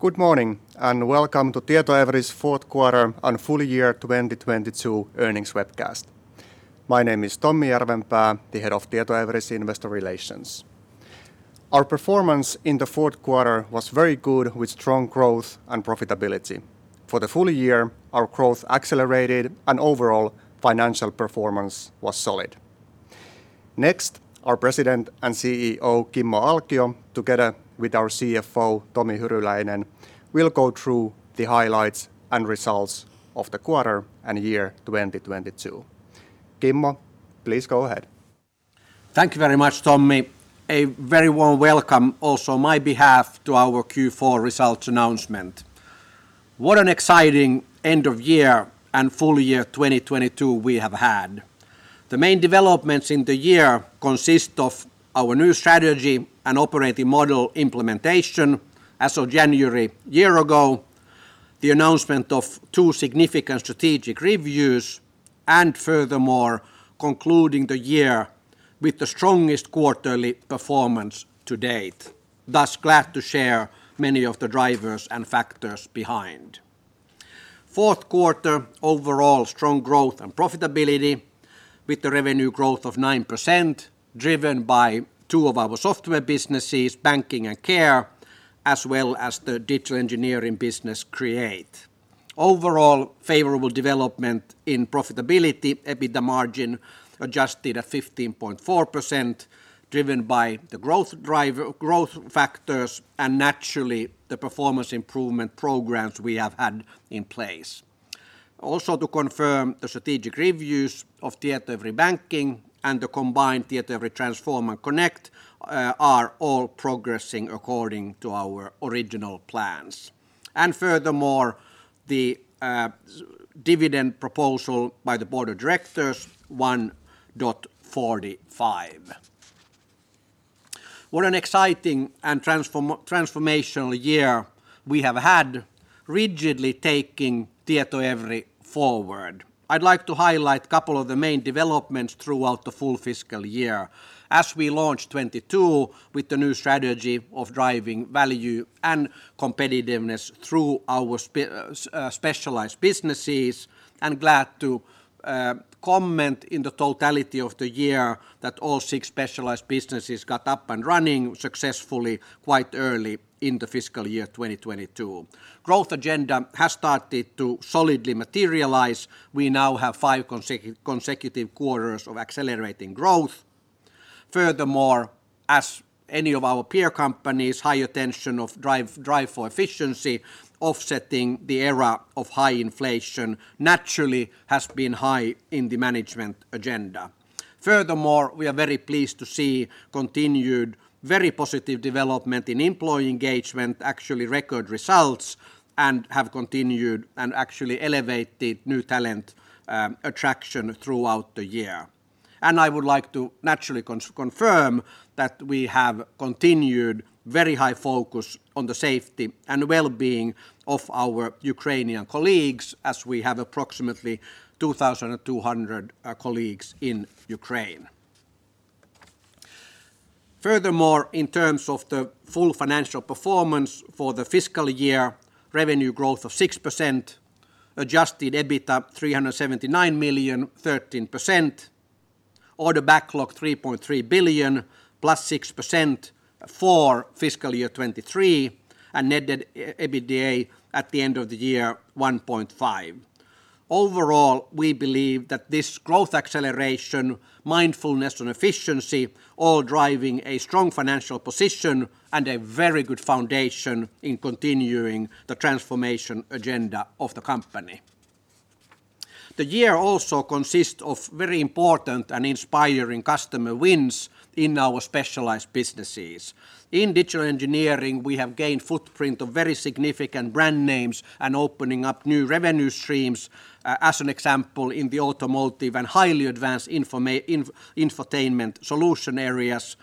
Good morning, and welcome to Tietoevry's fourth quarter and full year 2022 earnings webcast. My name is Tommi Järvenpää, the head of Tietoevry Investor Relations. Our performance in the fourth quarter was very good, with strong growth and profitability. For the full year, our growth accelerated and overall financial performance was solid. Next, our President and CEO, Kimmo Alkio, together with our CFO, Tomi Hyryläinen, will go through the highlights and results of the quarter and year 2022. Kimmo, please go ahead. Thank you very much, Tommi. A very warm welcome also on my behalf to our Q4 results announcement. What an exciting end of year and full year 2022 we have had. The main developments in the year consist of our new strategy and operating model implementation as of January year ago, the announcement of two significant strategic reviews, and furthermore, concluding the year with the strongest quarterly performance to date. Thus glad to share many of the drivers and factors behind. Fourth quarter, overall strong growth and profitability with the revenue growth of 9% driven by two of our software businesses, banking and care, as well as the digital engineering business Create. Overall favorable development in profitability, EBITDA margin adjusted at 15.4%, driven by the growth driver, growth factors, and naturally, the performance improvement programs we have had in place. Also to confirm the strategic reviews of Tietoevry Banking and the combined Tietoevry Transform and Tietoevry Connect are all progressing according to our original plans. Furthermore, the dividend proposal by the board of directors, 1.45. What an exciting and transformational year we have had rigidly taking Tietoevry forward. I'd like to highlight couple of the main developments throughout the full fiscal year. We launched 2022 with the new strategy of driving value and competitiveness through our specialized businesses, I'm glad to comment in the totality of the year that all six specialized businesses got up and running successfully quite early in the fiscal year 2022. Growth agenda has started to solidly materialize. We now have five consecutive quarters of accelerating growth. Furthermore, as any of our peer companies, high attention of drive for efficiency offsetting the era of high inflation naturally has been high in the management agenda. Furthermore, we are very pleased to see continued very positive development in employee engagement, actually record results, and have continued and actually elevated new talent attraction throughout the year. I would like to naturally confirm that we have continued very high focus on the safety and wellbeing of our Ukrainian colleagues as we have approximately 2,200 colleagues in Ukraine. Furthermore, in terms of the full financial performance for the fiscal year, revenue growth of 6%, Adjusted EBITDA 379 million, 13%, order backlog 3.3 billion, +6% for fiscal year 2023, and net debt EBITDA at the end of the year, 1.5. Overall, we believe that this growth acceleration, mindfulness, and efficiency all driving a strong financial position and a very good foundation in continuing the transformation agenda of the company. The year also consists of very important and inspiring customer wins in our specialized businesses. In digital engineering, we have gained footprint of very significant brand names and opening up new revenue streams, as an example, in the automotive and highly advanced infotainment solution areas,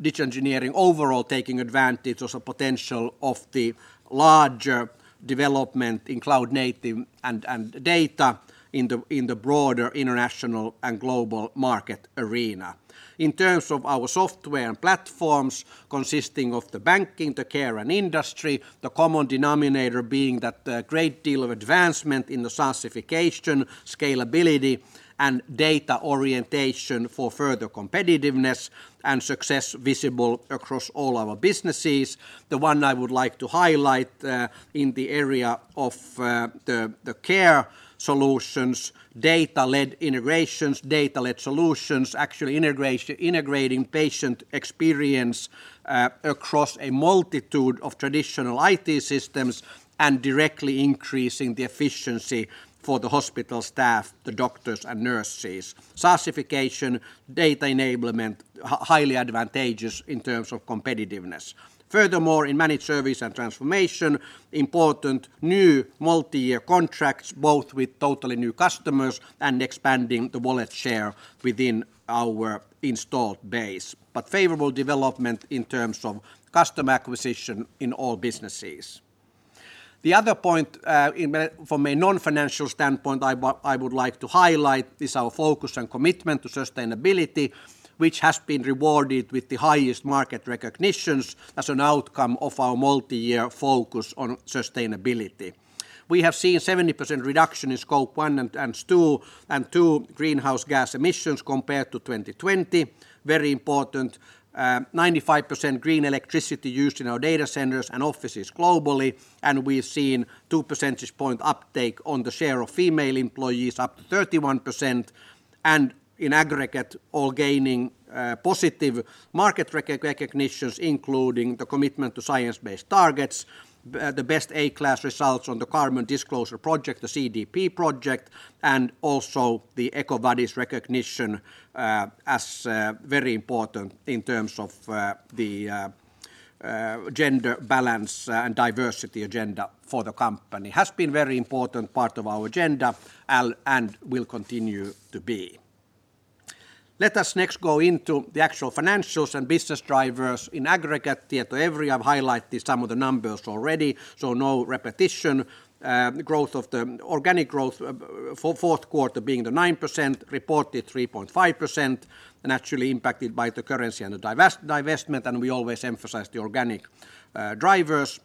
digital engineering overall taking advantage of the potential of the larger development in cloud native and data in the broader international and global market arena. In terms of our software and platforms consisting of the banking, the care, and industry, the common denominator being that a great deal of advancement in the SaaSification, scalability, and data orientation for further competitiveness and success visible across all our businesses. The one I would like to highlight, in the area of the care solutions, data-led integrations, data-led solutions, actually integrating patient experience across a multitude of traditional IT systems and directly increasing the efficiency for the hospital staff, the doctors and nurses. SaaSification, data enablement, highly advantageous in terms of competitiveness. Furthermore, in managed service and transformation, important new multiyear contracts, both with totally new customers and expanding the wallet share within our installed base. Favorable development in terms of customer acquisition in all businesses. The other point, from a non-financial standpoint I would like to highlight is our focus and commitment to sustainability, which has been rewarded with the highest market recognitions as an outcome of our multi-year focus on sustainability. We have seen 70% reduction in Scope 1 and 2 greenhouse gas emissions compared to 2020. Very important, 95% green electricity used in our data centers and offices globally. We've seen 2 percentage point uptake on the share of female employees up to 31%. In aggregate, all gaining positive market recognitions including the commitment to science-based targets, the best A class results on the Carbon Disclosure Project, the CDP project, and also the EcoVadis recognition, as very important in terms of the gender balance and diversity agenda for the company. Has been very important part of our agenda and will continue to be. Let us next go into the actual financials and business drivers in aggregate Tietoevry. I've highlighted some of the numbers already, no repetition. Growth of the... Organic growth, Q4 being the 9%, reported 3.5%, actually impacted by the currency and the divestment, and we always emphasize the organic drivers.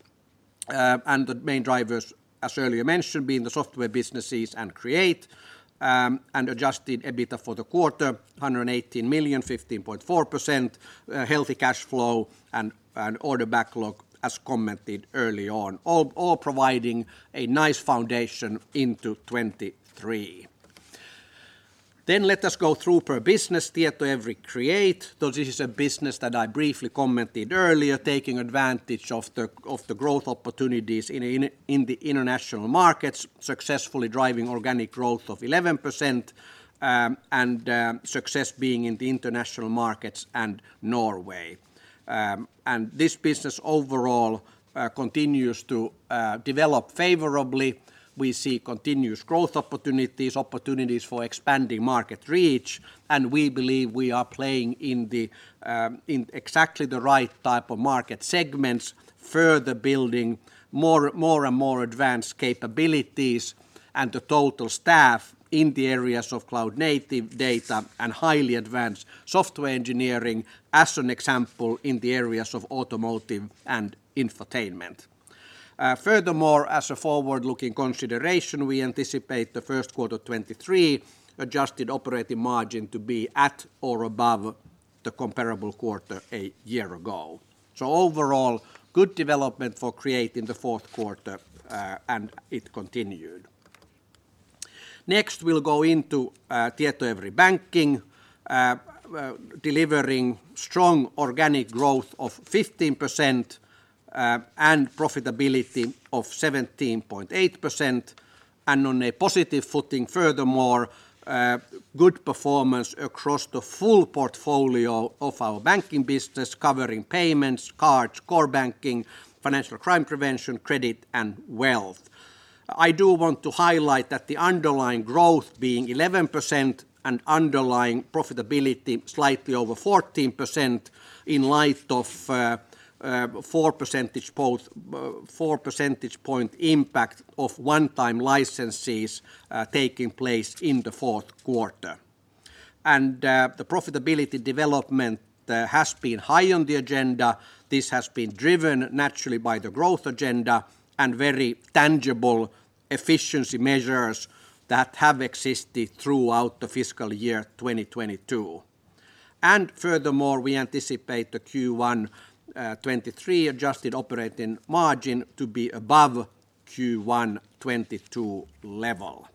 The main drivers, as earlier mentioned, being the software businesses and Create, and Adjusted EBITA for the quarter, 118 million, 15.4%, healthy cash flow and order backlog, as commented early on. All providing a nice foundation into 2023. Let us go through per business Tietoevry Create. This is a business that I briefly commented earlier, taking advantage of the growth opportunities in the international markets, successfully driving organic growth of 11%, and success being in the international markets and Norway. This business overall continues to develop favorably. We see continuous growth opportunities for expanding market reach, and we believe we are playing in the in exactly the right type of market segments, further building more and more advanced capabilities and the total staff in the areas of cloud native data and highly advanced software engineering, as an example, in the areas of automotive and infotainment. Furthermore, as a forward-looking consideration, we anticipate the first quarter 2023 adjusted operating margin to be at or above the comparable quarter a year ago. Overall, good development for Create in the fourth quarter, and it continued. Next, we'll go into Tietoevry Banking, delivering strong organic growth of 15%, and profitability of 17.8%, and on a positive footing furthermore, good performance across the full portfolio of our banking business covering payments, cards, core banking, financial crime prevention, credit, and wealth. I do want to highlight that the underlying growth being 11% and underlying profitability slightly over 14% in light of 4 percentage point impact of one-time licenses taking place in the fourth quarter. The profitability development has been high on the agenda. This has been driven naturally by the growth agenda and very tangible efficiency measures that have existed throughout the fiscal year 2022. Furthermore, we anticipate the Q1 2023 adjusted operating margin to be above Q1 2022 level.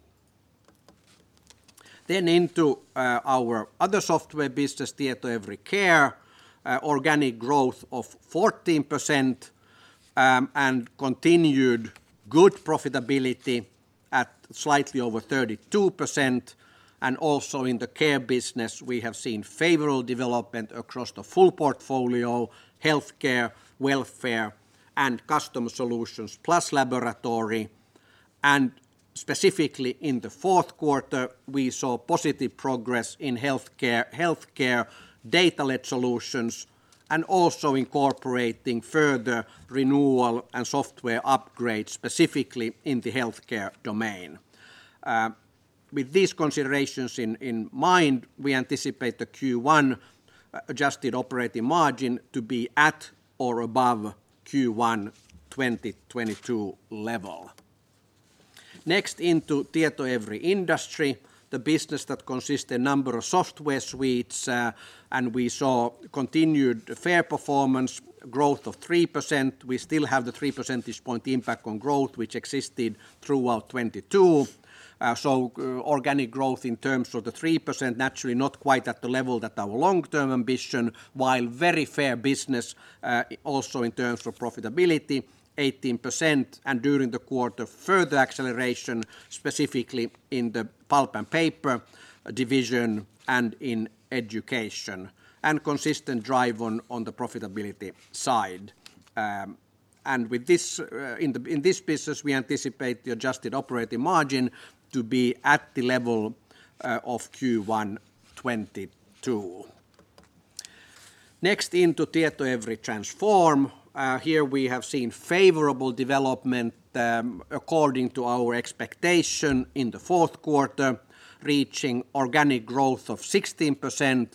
Into our other software business, Tietoevry Care, organic growth of 14% and continued good profitability at slightly over 32%, and also in the care business we have seen favorable development across the full portfolio, healthcare, welfare, and custom solutions, plus laboratory. Specifically in the fourth quarter, we saw positive progress in healthcare data-led solutions and also incorporating further renewal and software upgrades, specifically in the healthcare domain. With these considerations in mind, we anticipate the Q1 adjusted operating margin to be at or above Q1 2022 level. Next, into Tietoevry Industry, the business that consists a number of software suites, and we saw continued fair performance growth of 3%. We still have the 3 percentage point impact on growth which existed throughout 2022. Organic growth in terms of the 3%, naturally not quite at the level that our long-term ambition, while very fair business, also in terms of profitability, 18%, and during the quarter, further acceleration, specifically in the pulp and paper division and in education, and consistent drive on the profitability side. With this in this business, we anticipate the adjusted operating margin to be at the level of Q1 2022. Next into Tietoevry Transform. Here we have seen favorable development according to our expectation in the fourth quarter, reaching organic growth of 16%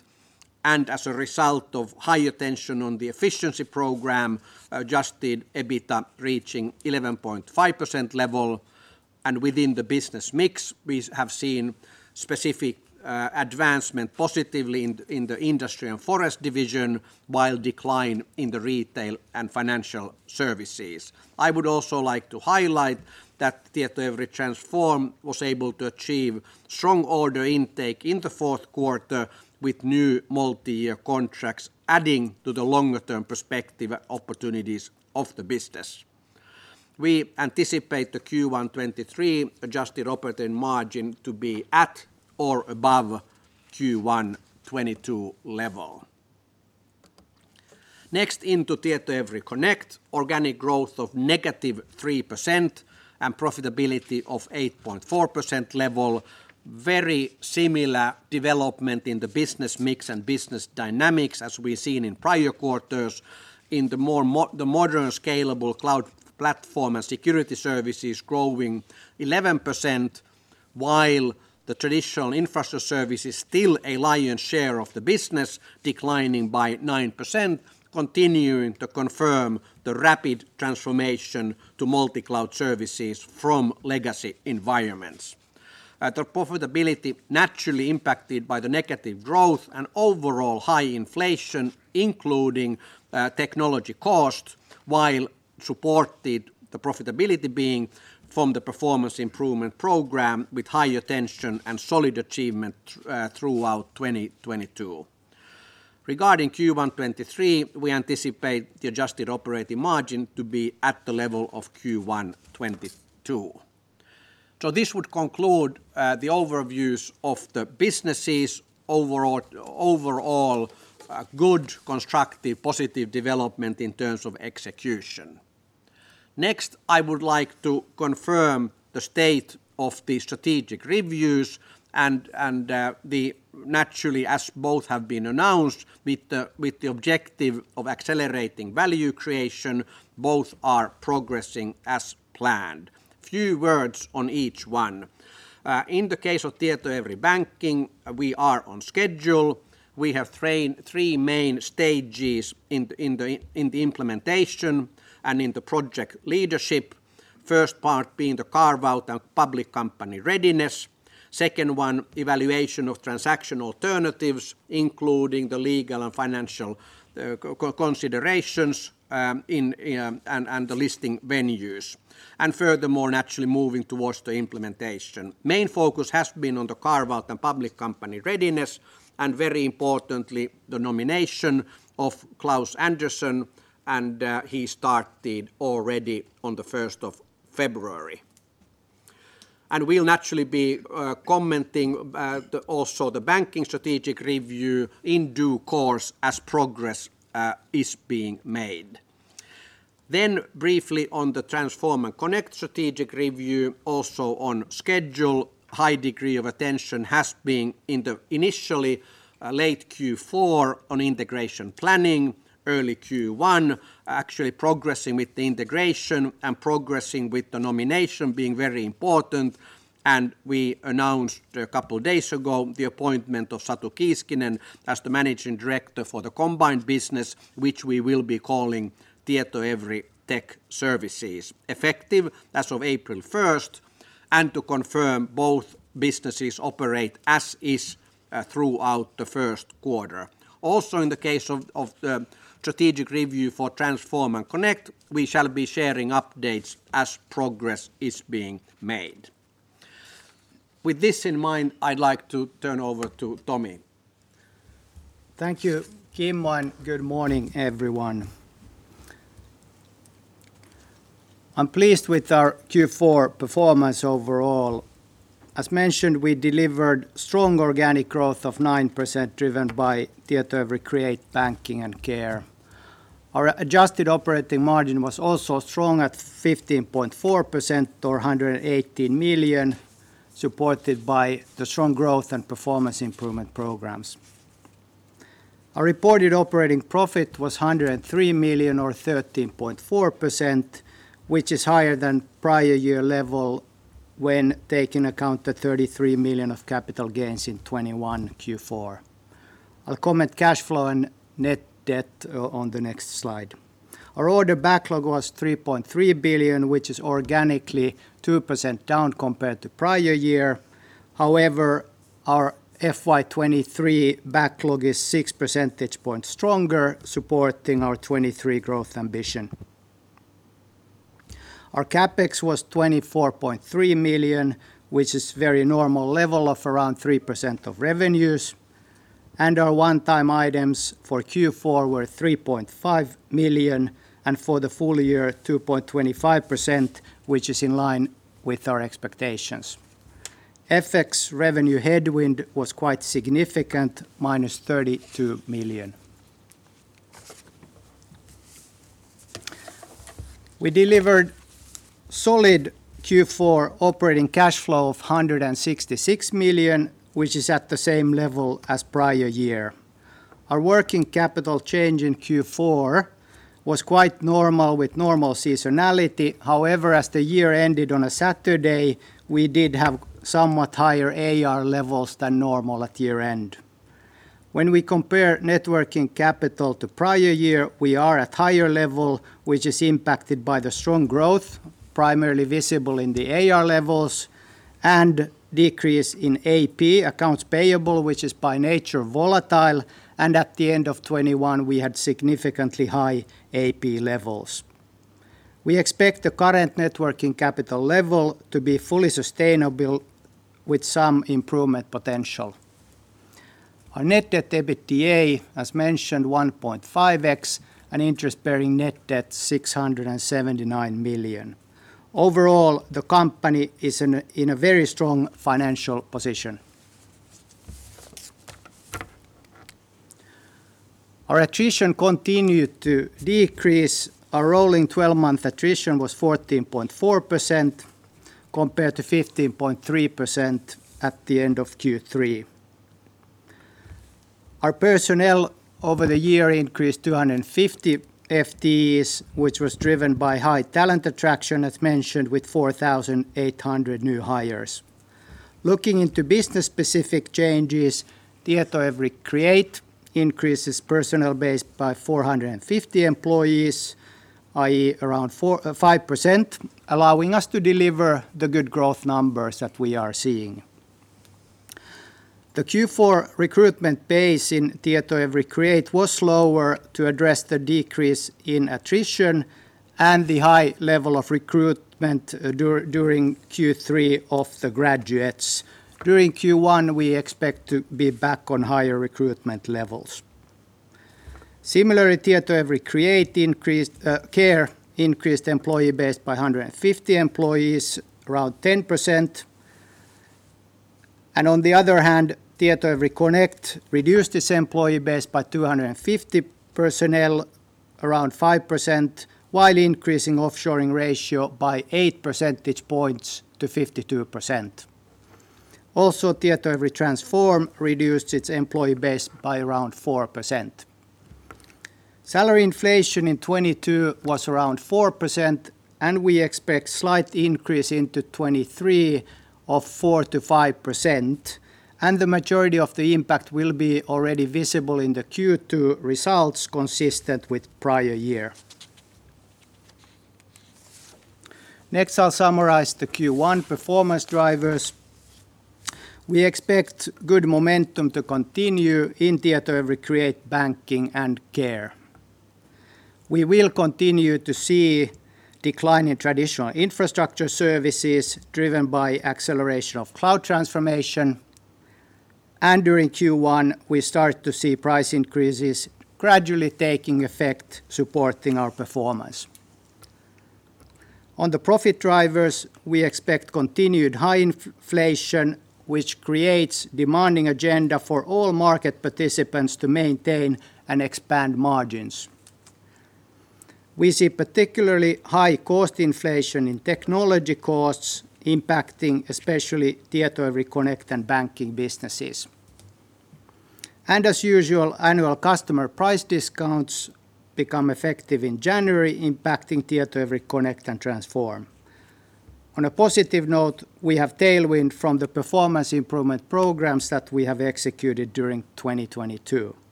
and as a result of higher tension on the efficiency program, Adjusted EBITA reaching 11.5% level. Within the business mix, we have seen specific advancement positively in the industry and forest division while decline in the retail and financial services. I would also like to highlight that Tietoevry Transform was able to achieve strong order intake in the fourth quarter with new multi-year contracts adding to the longer-term perspective opportunities of the business. We anticipate the Q1 2023 adjusted operating margin to be at or above Q1 2022 level. Next into Tietoevry Connect, organic growth of negative 3% and profitability of 8.4% level. Very similar development in the business mix and business dynamics as we've seen in prior quarters. In the more the modern scalable cloud platform and security services growing 11% while the traditional infrastructure service is still a lion's share of the business declining by 9% continuing to confirm the rapid transformation to multi-cloud services from legacy environments. The profitability naturally impacted by the negative growth and overall high inflation, including technology cost, while supported the profitability being from the performance improvement program with higher tension and solid achievement throughout 2022. Regarding Q1 2023, we anticipate the adjusted operating margin to be at the level of Q1 2022. This would conclude the overviews of the businesses overall, good, constructive, positive development in terms of execution. Next, I would like to confirm the state of the strategic reviews and naturally as both have been announced with the objective of accelerating value creation, both are progressing as planned. Few words on each one. In the case of Tietoevry Banking, we are on schedule. We have three main stages in the implementation and in the project leadership. First part being the carve-out and public company readiness. Second one, evaluation of transaction alternatives, including the legal and financial considerations, and the listing venues. Furthermore, naturally moving towards the implementation. Main focus has been on the carve-out and public company readiness, very importantly, the nomination of Klaus Andersen, he started already on the first of February. We'll naturally be commenting also the banking strategic review in due course as progress is being made. Briefly on the Transform and Connect strategic review, also on schedule, high degree of attention has been in the initially late Q4 on integration planning, early Q1, actually progressing with the integration and progressing with the nomination being very important. We announced a couple of days ago the appointment of Satu Kiiskinen as the managing director for the combined business, which we will be calling Tietoevry Tech Services, effective as of April first, to confirm both businesses operate as is throughout the first quarter. In the case of the strategic review for Transform and Connect, we shall be sharing updates as progress is being made. With this in mind, I'd like to turn over to Tomi. Thank you, Kimmo. Good morning, everyone. I'm pleased with our Q4 performance overall. As mentioned, we delivered strong organic growth of 9% driven by Tietoevry Create, Tietoevry Banking, and Tietoevry Care. Our adjusted operating margin was also strong at 15.4% or 118 million, supported by the strong growth and performance improvement programs. Our reported operating profit was 103 million or 13.4%, which is higher than prior year level when taking account the 33 million of capital gains in 2021 Q4. I'll comment cash flow and net debt on the next slide. Our order backlog was 3.3 billion, which is organically 2% down compared to prior year. Our FY 2023 backlog is 6 percentage points stronger, supporting our 2023 growth ambition. Our CapEx was 24.3 million, which is very normal level of around 3% of revenues. Our one-time items for Q4 were 3.5 million, and for the full year, 2.25%, which is in line with our expectations. FX revenue headwind was quite significant, minus 32 million. We delivered solid Q4 operating cash flow of 166 million, which is at the same level as prior year. Our working capital change in Q4 was quite normal with normal seasonality. However, as the year ended on a Saturday, we did have somewhat higher AR levels than normal at year-end. When we compare net working capital to prior year, we are at higher level, which is impacted by the strong growth primarily visible in the AR levels and decrease in AP, accounts payable, which is by nature volatile. At the end of 2021, we had significantly high AP levels. We expect the current net working capital level to be fully sustainable with some improvement potential. Our net debt to EBITDA, as mentioned, 1.5x, and interest-bearing net debt 679 million. Overall, the company is in a very strong financial position. Our attrition continued to decrease. Our rolling 12-month attrition was 14.4% compared to 15.3% at the end of Q3. Our personnel over the year increased 250 FTEs, which was driven by high talent attraction, as mentioned, with 4,800 new hires. Looking into business-specific changes, Tietoevry Create increases personnel base by 450 employees, i.e., around 5%, allowing us to deliver the good growth numbers that we are seeing. The Q4 recruitment pace in Tietoevry Create was slower to address the decrease in attrition and the high level of recruitment during Q3 of the graduates. During Q1, we expect to be back on higher recruitment levels. Similarly, Tietoevry Care increased employee base by 150 employees, around 10%. On the other hand, Tietoevry Connect reduced its employee base by 250 personnel, around 5%, while increasing offshoring ratio by 8 percentage points to 52%. Also, Tietoevry Transform reduced its employee base by around 4%. Salary inflation in 2022 was around 4%,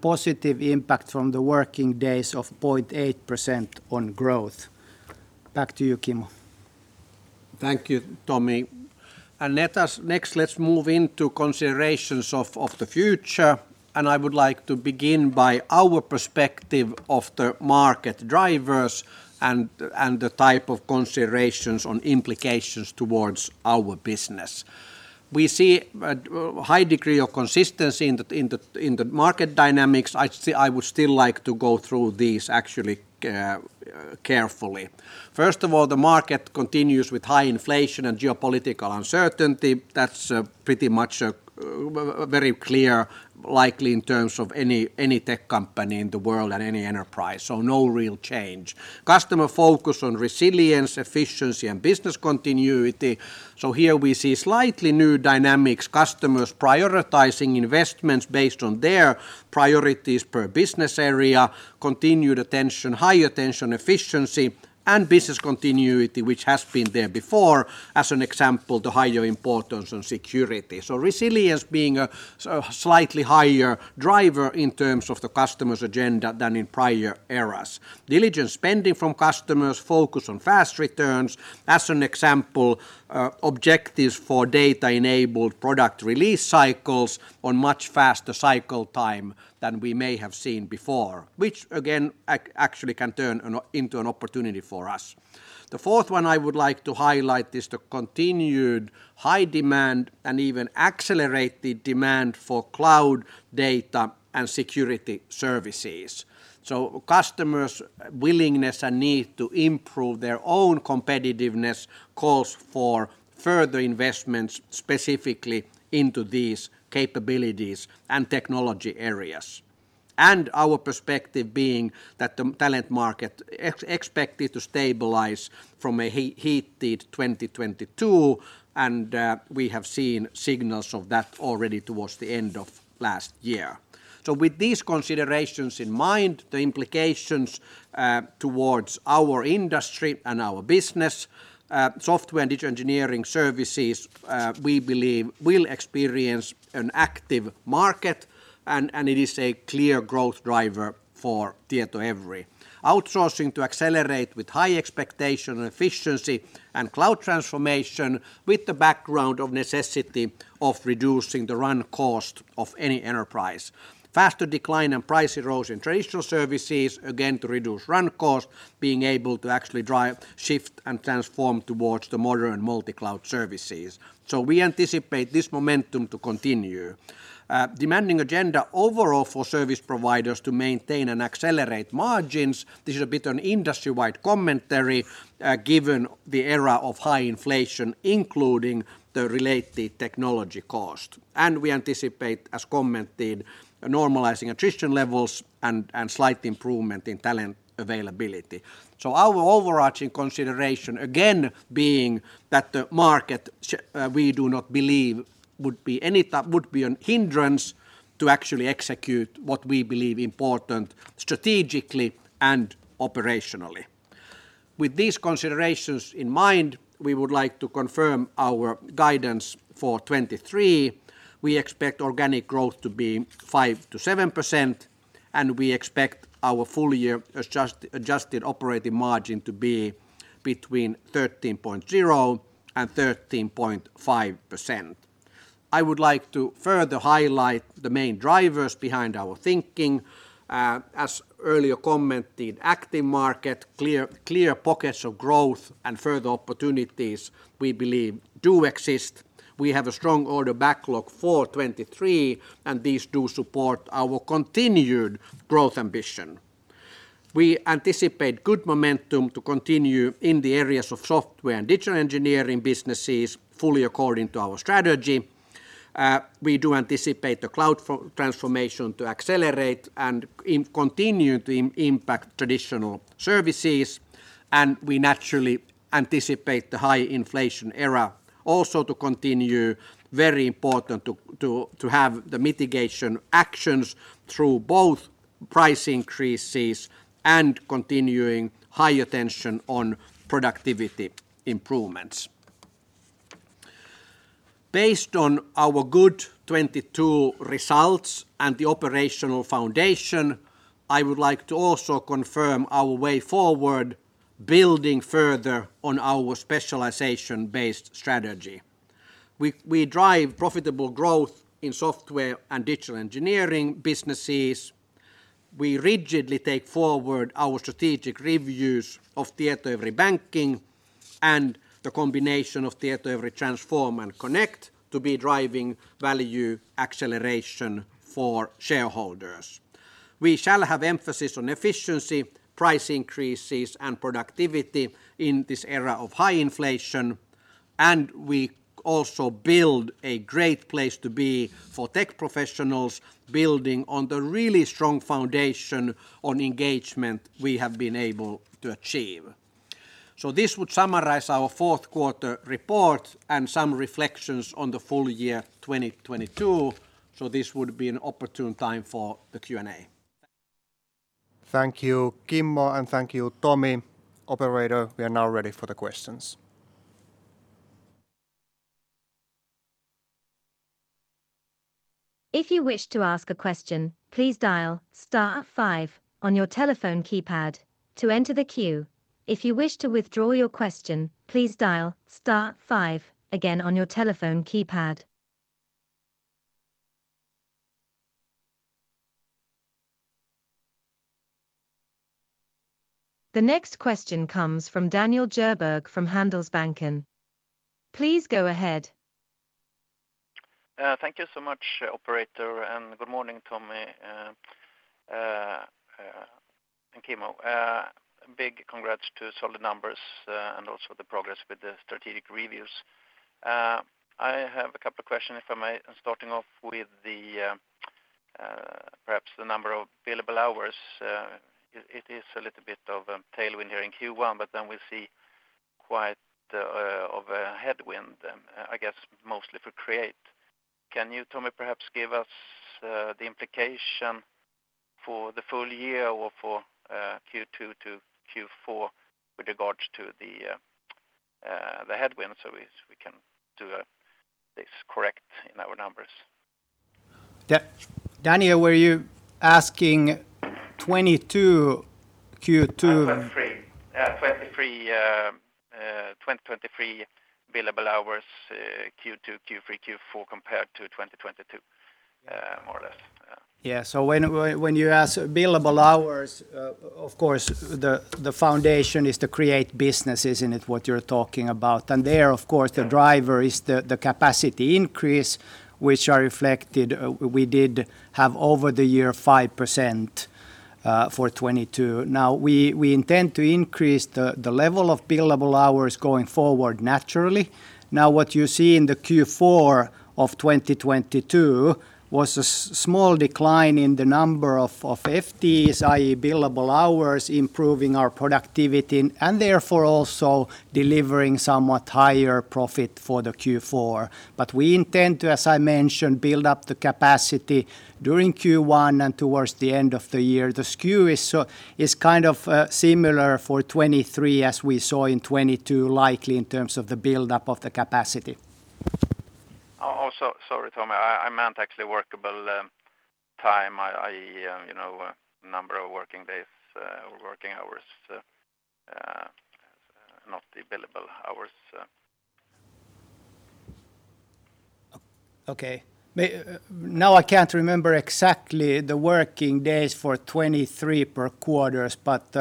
positive impact from the working days of 0.8% on growth. Back to you, Kimmo. Thank you, Tomi. Let's move into considerations of the future, and I would like to begin by our perspective of the market drivers and the type of considerations on implications towards our business. We see a high degree of consistency in the market dynamics. I would still like to go through these actually carefully. First of all, the market continues with high inflation and geopolitical uncertainty. That's pretty much very clear likely in terms of any tech company in the world and any enterprise, so no real change. Customer focus on resilience, efficiency, and business continuity. Here we see slightly new dynamics, customers prioritizing investments based on their priorities per business area, continued attention, high attention efficiency, and business continuity, which has been there before, as an example, the higher importance on security. Resilience being a slightly higher driver in terms of the customer's agenda than in prior eras. Diligent spending from customers focus on fast returns. As an example, objectives for data-enabled product release cycles on much faster cycle time than we may have seen before, which again actually can turn into an opportunity for us. The fourth one I would like to highlight is the continued high demand and even accelerated demand for cloud data and security services. Customers' willingness and need to improve their own competitiveness calls for further investments specifically into these capabilities and technology areas. Our perspective being that the talent market expected to stabilize from a heated 2022, and we have seen signals of that already towards the end of last year. With these considerations in mind, the implications towards our industry and our business, software and digital engineering services, we believe will experience an active market and it is a clear growth driver for Tietoevry. Outsourcing to accelerate with high expectation and efficiency and cloud transformation with the background of necessity of reducing the run cost of any enterprise. Faster decline in price erosion traditional services, again, to reduce run cost being able to actually drive, shift, and transform towards the modern multi-cloud services. We anticipate this momentum to continue. Demanding agenda overall for service providers to maintain and accelerate margins. This is a bit an industry-wide commentary, given the era of high inflation, including the related technology cost. We anticipate, as commented, normalizing attrition levels and slight improvement in talent availability. Our overarching consideration, again, being that the market, we do not believe would be an hindrance to actually execute what we believe important strategically and operationally. With these considerations in mind, we would like to confirm our guidance for 2023. We expect organic growth to be 5%-7%, and we expect our full year adjusted operating margin to be between 13.0% and 13.5%. I would like to further highlight the main drivers behind our thinking. As earlier commented, active market, clear pockets of growth and further opportunities we believe do exist. We have a strong order backlog for 2023, and these do support our continued growth ambition. We anticipate good momentum to continue in the areas of software and digital engineering businesses fully according to our strategy. We do anticipate the cloud transformation to accelerate and continue to impact traditional services. We naturally anticipate the high inflation era also to continue. Very important to have the mitigation actions through both price increases and continuing high attention on productivity improvements. Based on our good 2022 results and the operational foundation, I would like to also confirm our way forward building further on our specialization-based strategy. We drive profitable growth in software and digital engineering businesses. We rigidly take forward our strategic reviews of Tietoevry Banking and the combination of Tietoevry Transform and Connect to be driving value acceleration for shareholders. We shall have emphasis on efficiency, price increases, and productivity in this era of high inflation, and we also build a great place to be for tech professionals building on the really strong foundation on engagement we have been able to achieve. This would summarize our fourth quarter report and some reflections on the full year 2022. This would be an opportune time for the Q&A. Thank you, Kimmo, and thank you, Tomi. Operator, we are now ready for the questions. If you wish to ask a question, please dial star five on your telephone keypad to enter the queue. If you wish to withdraw your question, please dial star five again on your telephone keypad. The next question comes from Daniel Djurberg from Handelsbanken. Please go ahead. Thank you so much, operator. Good morning, Tomi and Kimmo. Big congrats to solid numbers, also the progress with the strategic reviews. I have a couple of questions, if I may. I'm starting off with perhaps the number of billable hours. It is a little bit of a tailwind here in Q1, but then we see quite a headwind, I guess mostly for Create. Can you, Tomi, perhaps give us the implication for the full year or for Q2 to Q4 with regards to the headwinds so we can do this correct in our numbers? Daniel, were you asking 2022 Q2-? 2023, 2023 billable hours, Q2, Q3, Q4 compared to 2022, more or less. Yeah. when you ask billable hours, of course, the foundation is the Create business. Isn't it what you're talking about? Yeah Of course, the driver is the capacity increase, which are reflected, we did have over the year 5%- For 2022. Now, we intend to increase the level of billable hours going forward naturally. Now, what you see in the Q4 of 2022 was a small decline in the number of FTEs, i.e., billable hours, improving our productivity and therefore also delivering somewhat higher profit for the Q4. We intend to, as I mentioned, build up the capacity during Q1 and towards the end of the year. The skew is kind of similar for 2023 as we saw in 2022, likely in terms of the buildup of the capacity. Oh, sorry, Tomi. I meant actually workable time, i.e., you know, number of working days or working hours, not the billable hours. Okay. May, now I can't remember exactly the working days for 2023 per quarters, but,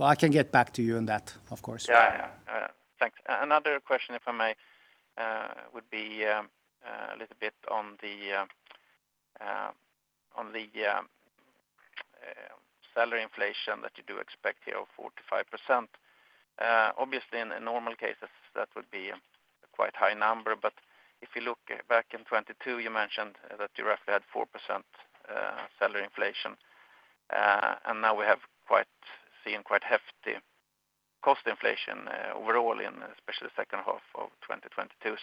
I can get back to you on that, of course. Yeah, yeah. Thanks. Another question, if I may, would be a little bit on the salary inflation that you do expect here of 4%-5%. Obviously, in normal cases that would be a quite high number, but if you look back in 2022, you mentioned that you roughly had 4% salary inflation. Now we have seen quite hefty cost inflation overall in especially the second half of 2022.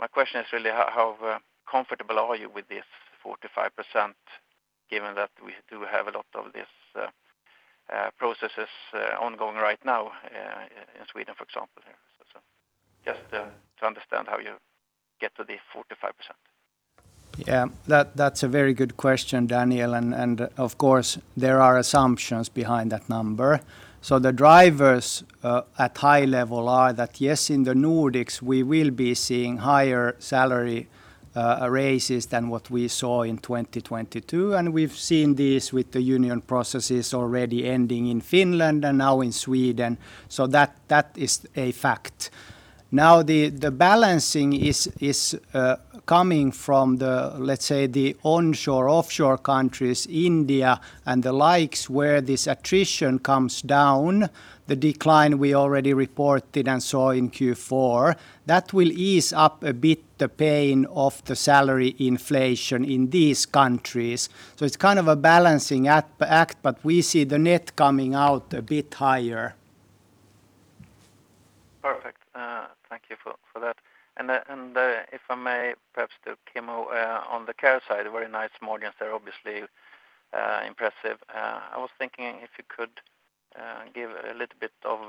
My question is really how comfortable are you with this 4%-5% given that we do have a lot of this processes ongoing right now in Sweden, for example? Just to understand how you get to the 4%-5%. Yeah. That's a very good question, Daniel. Of course there are assumptions behind that number. The drivers, at high level are that, yes, in the Nordics we will be seeing higher salary raises than what we saw in 2022, and we've seen this with the union processes already ending in Finland and now in Sweden. That is a fact. Now, the balancing is coming from the, let's say, the onshore, offshore countries, India and the likes, where this attrition comes down, the decline we already reported and saw in Q4. That will ease up a bit the pain of the salary inflation in these countries. It's kind of a balancing at act, but we see the net coming out a bit higher. Perfect. Thank you for that. If I may perhaps to Kimmo, on the care side, very nice margins there, obviously, impressive. I was thinking if you could give a little bit of,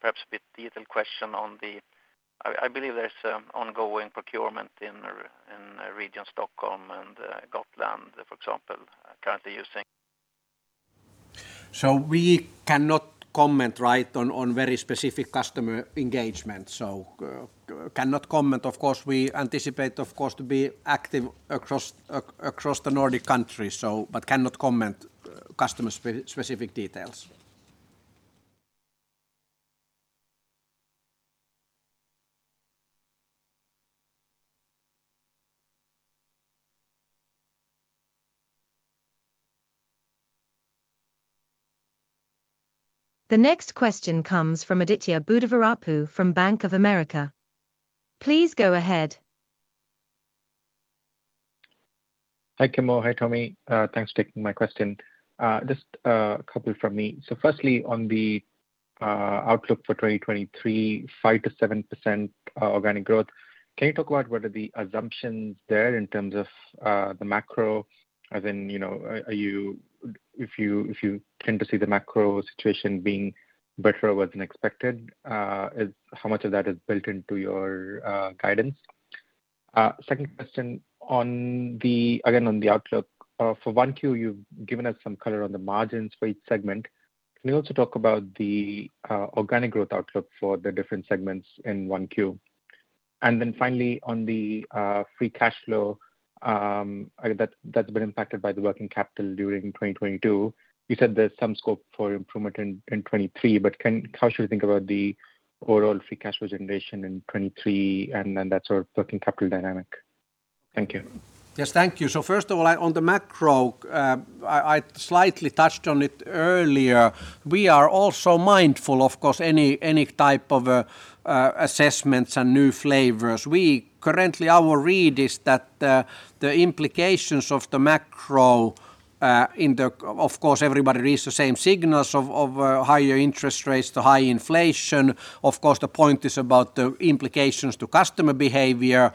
perhaps a bit detailed question on the... I believe there's ongoing procurement in Region Stockholm and Gotland, for example, currently using- We cannot comment, right, on very specific customer engagement. Cannot comment. Of course, we anticipate to be active across the Nordic countries, so but cannot comment customer specific details. The next question comes from Aditya Buddhavarapu from Bank of America. Please go ahead. Hi, Kimmo. Hi, Tomi. Thanks for taking my question. Just a couple from me. Firstly, on the outlook for 2023, 5%-7% organic growth. Can you talk about what are the assumptions there in terms of the macro? As in, you know, are you, if you tend to see the macro situation being better than expected, is how much of that is built into your guidance? Second question on the, again, on the outlook. For 1Q, you've given us some color on the margins for each segment. Can you also talk about the organic growth outlook for the different segments in 1Q? Finally on the free cash flow, that's been impacted by the working capital during 2022. You said there's some scope for improvement in 2023, but can... How should we think about the overall free cash flow generation in 2023 and then that sort of working capital dynamic? Thank you. Yes. Thank you. First of all, on the macro, I slightly touched on it earlier. We are also mindful, of course, any type of assessments and new flavors. We currently, our read is that the implications of the macro. Of course, everybody reads the same signals of higher interest rates to high inflation. Of course, the point is about the implications to customer behavior.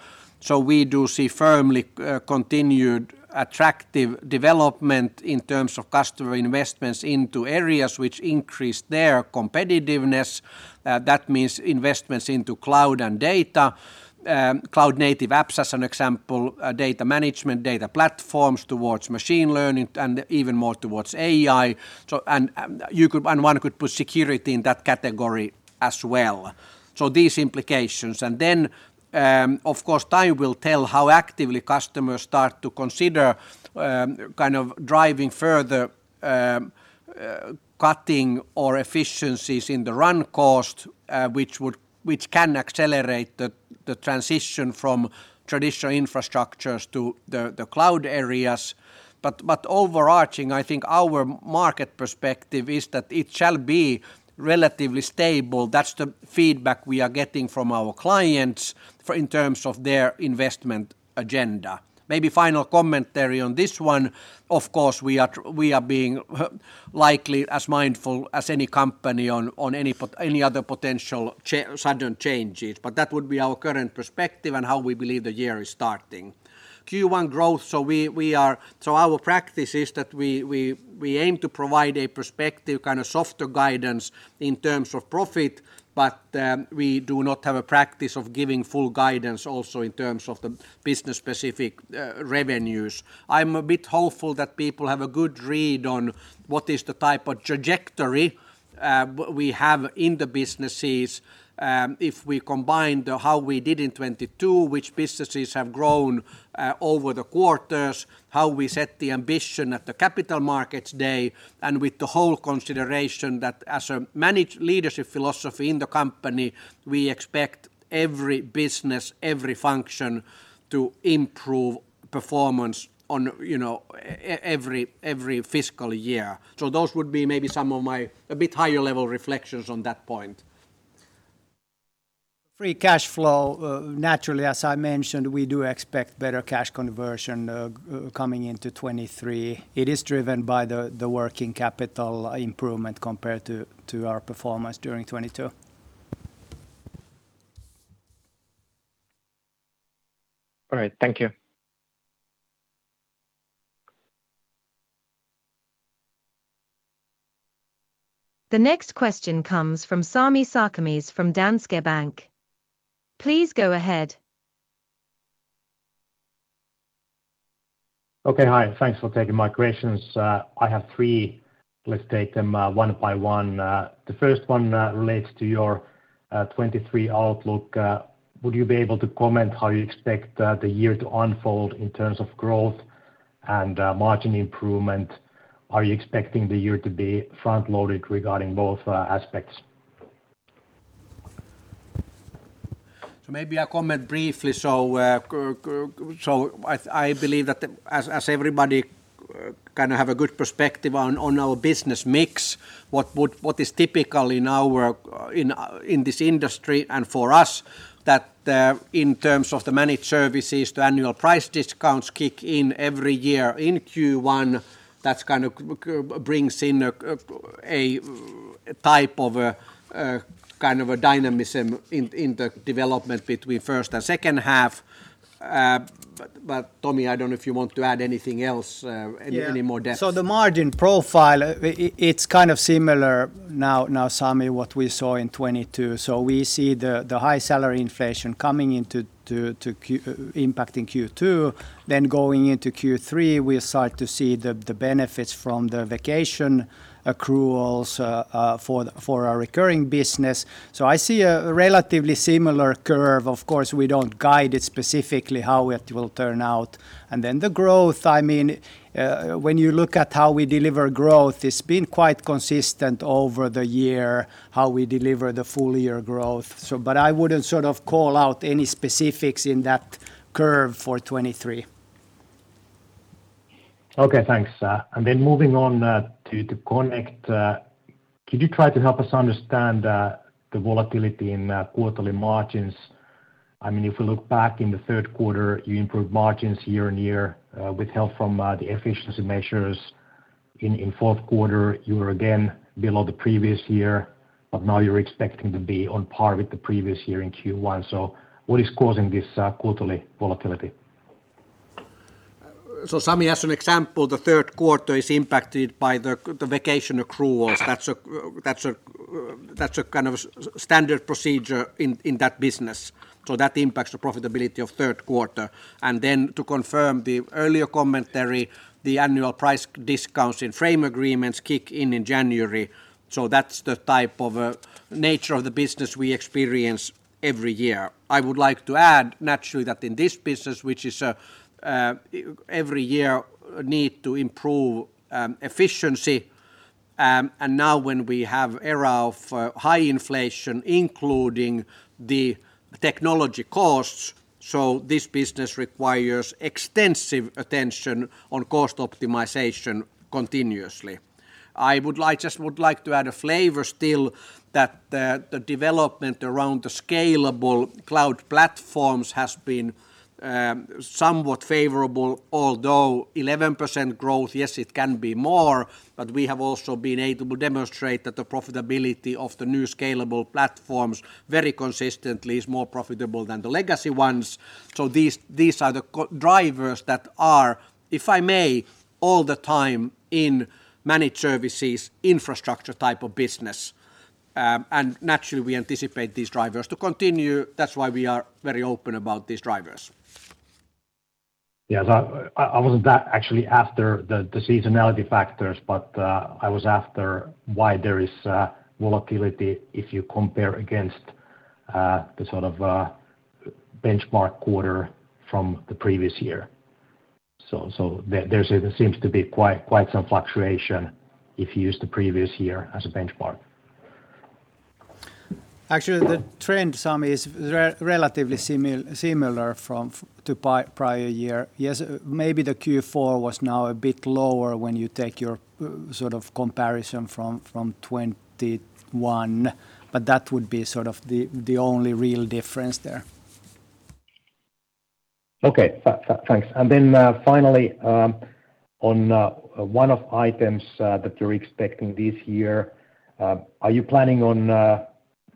We do see firmly continued attractive development in terms of customer investments into areas which increase their competitiveness. That means investments into cloud and data, cloud native apps, as an example, data management, data platforms towards machine learning and even more towards AI. And one could put security in that category as well. These implications. Of course, time will tell how actively customers start to consider, kind of driving further. Cutting or efficiencies in the run cost, which can accelerate the transition from traditional infrastructures to the cloud areas. Overarching, I think our market perspective is that it shall be relatively stable. That's the feedback we are getting from our clients in terms of their investment agenda. Maybe final commentary on this one, of course, we are being likely as mindful as any company on any other potential sudden changes. That would be our current perspective and how we believe the year is starting. Q1 growth, our practice is that we aim to provide a perspective kind of softer guidance in terms of profit, but we do not have a practice of giving full guidance also in terms of the business-specific revenues. I'm a bit hopeful that people have a good read on what is the type of trajectory, we have in the businesses, if we combine the how we did in 2022, which businesses have grown over the quarters, how we set the ambition at the Capital Markets Day, and with the whole consideration that as a manage leadership philosophy in the company, we expect every business, every function to improve performance on, you know, every fiscal year. Those would be maybe some of my a bit higher level reflections on that point. Free cash flow, naturally, as I mentioned, we do expect better cash conversion, coming into 2023. It is driven by the working capital improvement compared to our performance during 2022. All right. Thank you. The next question comes from Sami Sarkamies from Danske Bank. Please go ahead. Okay. Hi. Thanks for taking my questions. I have three. Let's take them one by one. The first one relates to your 2023 outlook. Would you be able to comment how you expect the year to unfold in terms of growth and margin improvement? Are you expecting the year to be front-loaded regarding both aspects? Maybe I comment briefly. I believe that the. As everybody kind of have a good perspective on our business mix, what is typical in our, in this industry and for us that, in terms of the managed services, the annual price discounts kick in every year in Q1. That kind of brings in a type of a kind of a dynamism in the development between first and second half. Tomi, I don't know if you want to add anything else, any more depth. The margin profile, it's kind of similar now, Sami, what we saw in 2022. We see the high salary inflation coming into impacting Q2. Going into Q3, we'll start to see the benefits from the vacation accruals for our recurring business. I see a relatively similar curve. Of course, we don't guide it specifically how it will turn out. The growth, I mean, when you look at how we deliver growth, it's been quite consistent over the year how we deliver the full-year growth. I wouldn't sort of call out any specifics in that curve for 2023. Okay. Thanks. Moving on to Connect, could you try to help us understand the volatility in quarterly margins? I mean, if you look back in the third quarter, you improved margins year-on-year with help from the efficiency measures. In fourth quarter, you were again below the previous year. Now you're expecting to be on par with the previous year in Q1. What is causing this quarterly volatility? Sami, as an example, the third quarter is impacted by the vacation accruals. That's a kind of standard procedure in that business, so that impacts the profitability of third quarter. To confirm the earlier commentary, the annual price discounts and frame agreements kick in in January, so that's the type of nature of the business we experience every year. I would like to add naturally that in this business, which is every year need to improve efficiency, and now when we have era of high inflation, including the technology costs, so this business requires extensive attention on cost optimization continuously. Just would like to add a flavor still that the development around the scalable cloud platforms has been somewhat favorable, although 11% growth, yes, it can be more, but we have also been able to demonstrate that the profitability of the new scalable platforms very consistently is more profitable than the legacy ones. These are the drivers that are, if I may, all the time in managed services infrastructure type of business. Naturally, we anticipate these drivers to continue. That's why we are very open about these drivers. Yeah. I wasn't that actually after the seasonality factors, but I was after why there is volatility if you compare against The sort of benchmark quarter from the previous year. There's, it seems to be quite some fluctuation if you use the previous year as a benchmark. Actually, the trend, Sami, is relatively similar from to prior year. Yes, maybe the Q4 was now a bit lower when you take your sort of comparison from 2021, but that would be sort of the only real difference there. Okay. Thanks. And then, finally, on, one-off items, that you're expecting this year, are you planning on,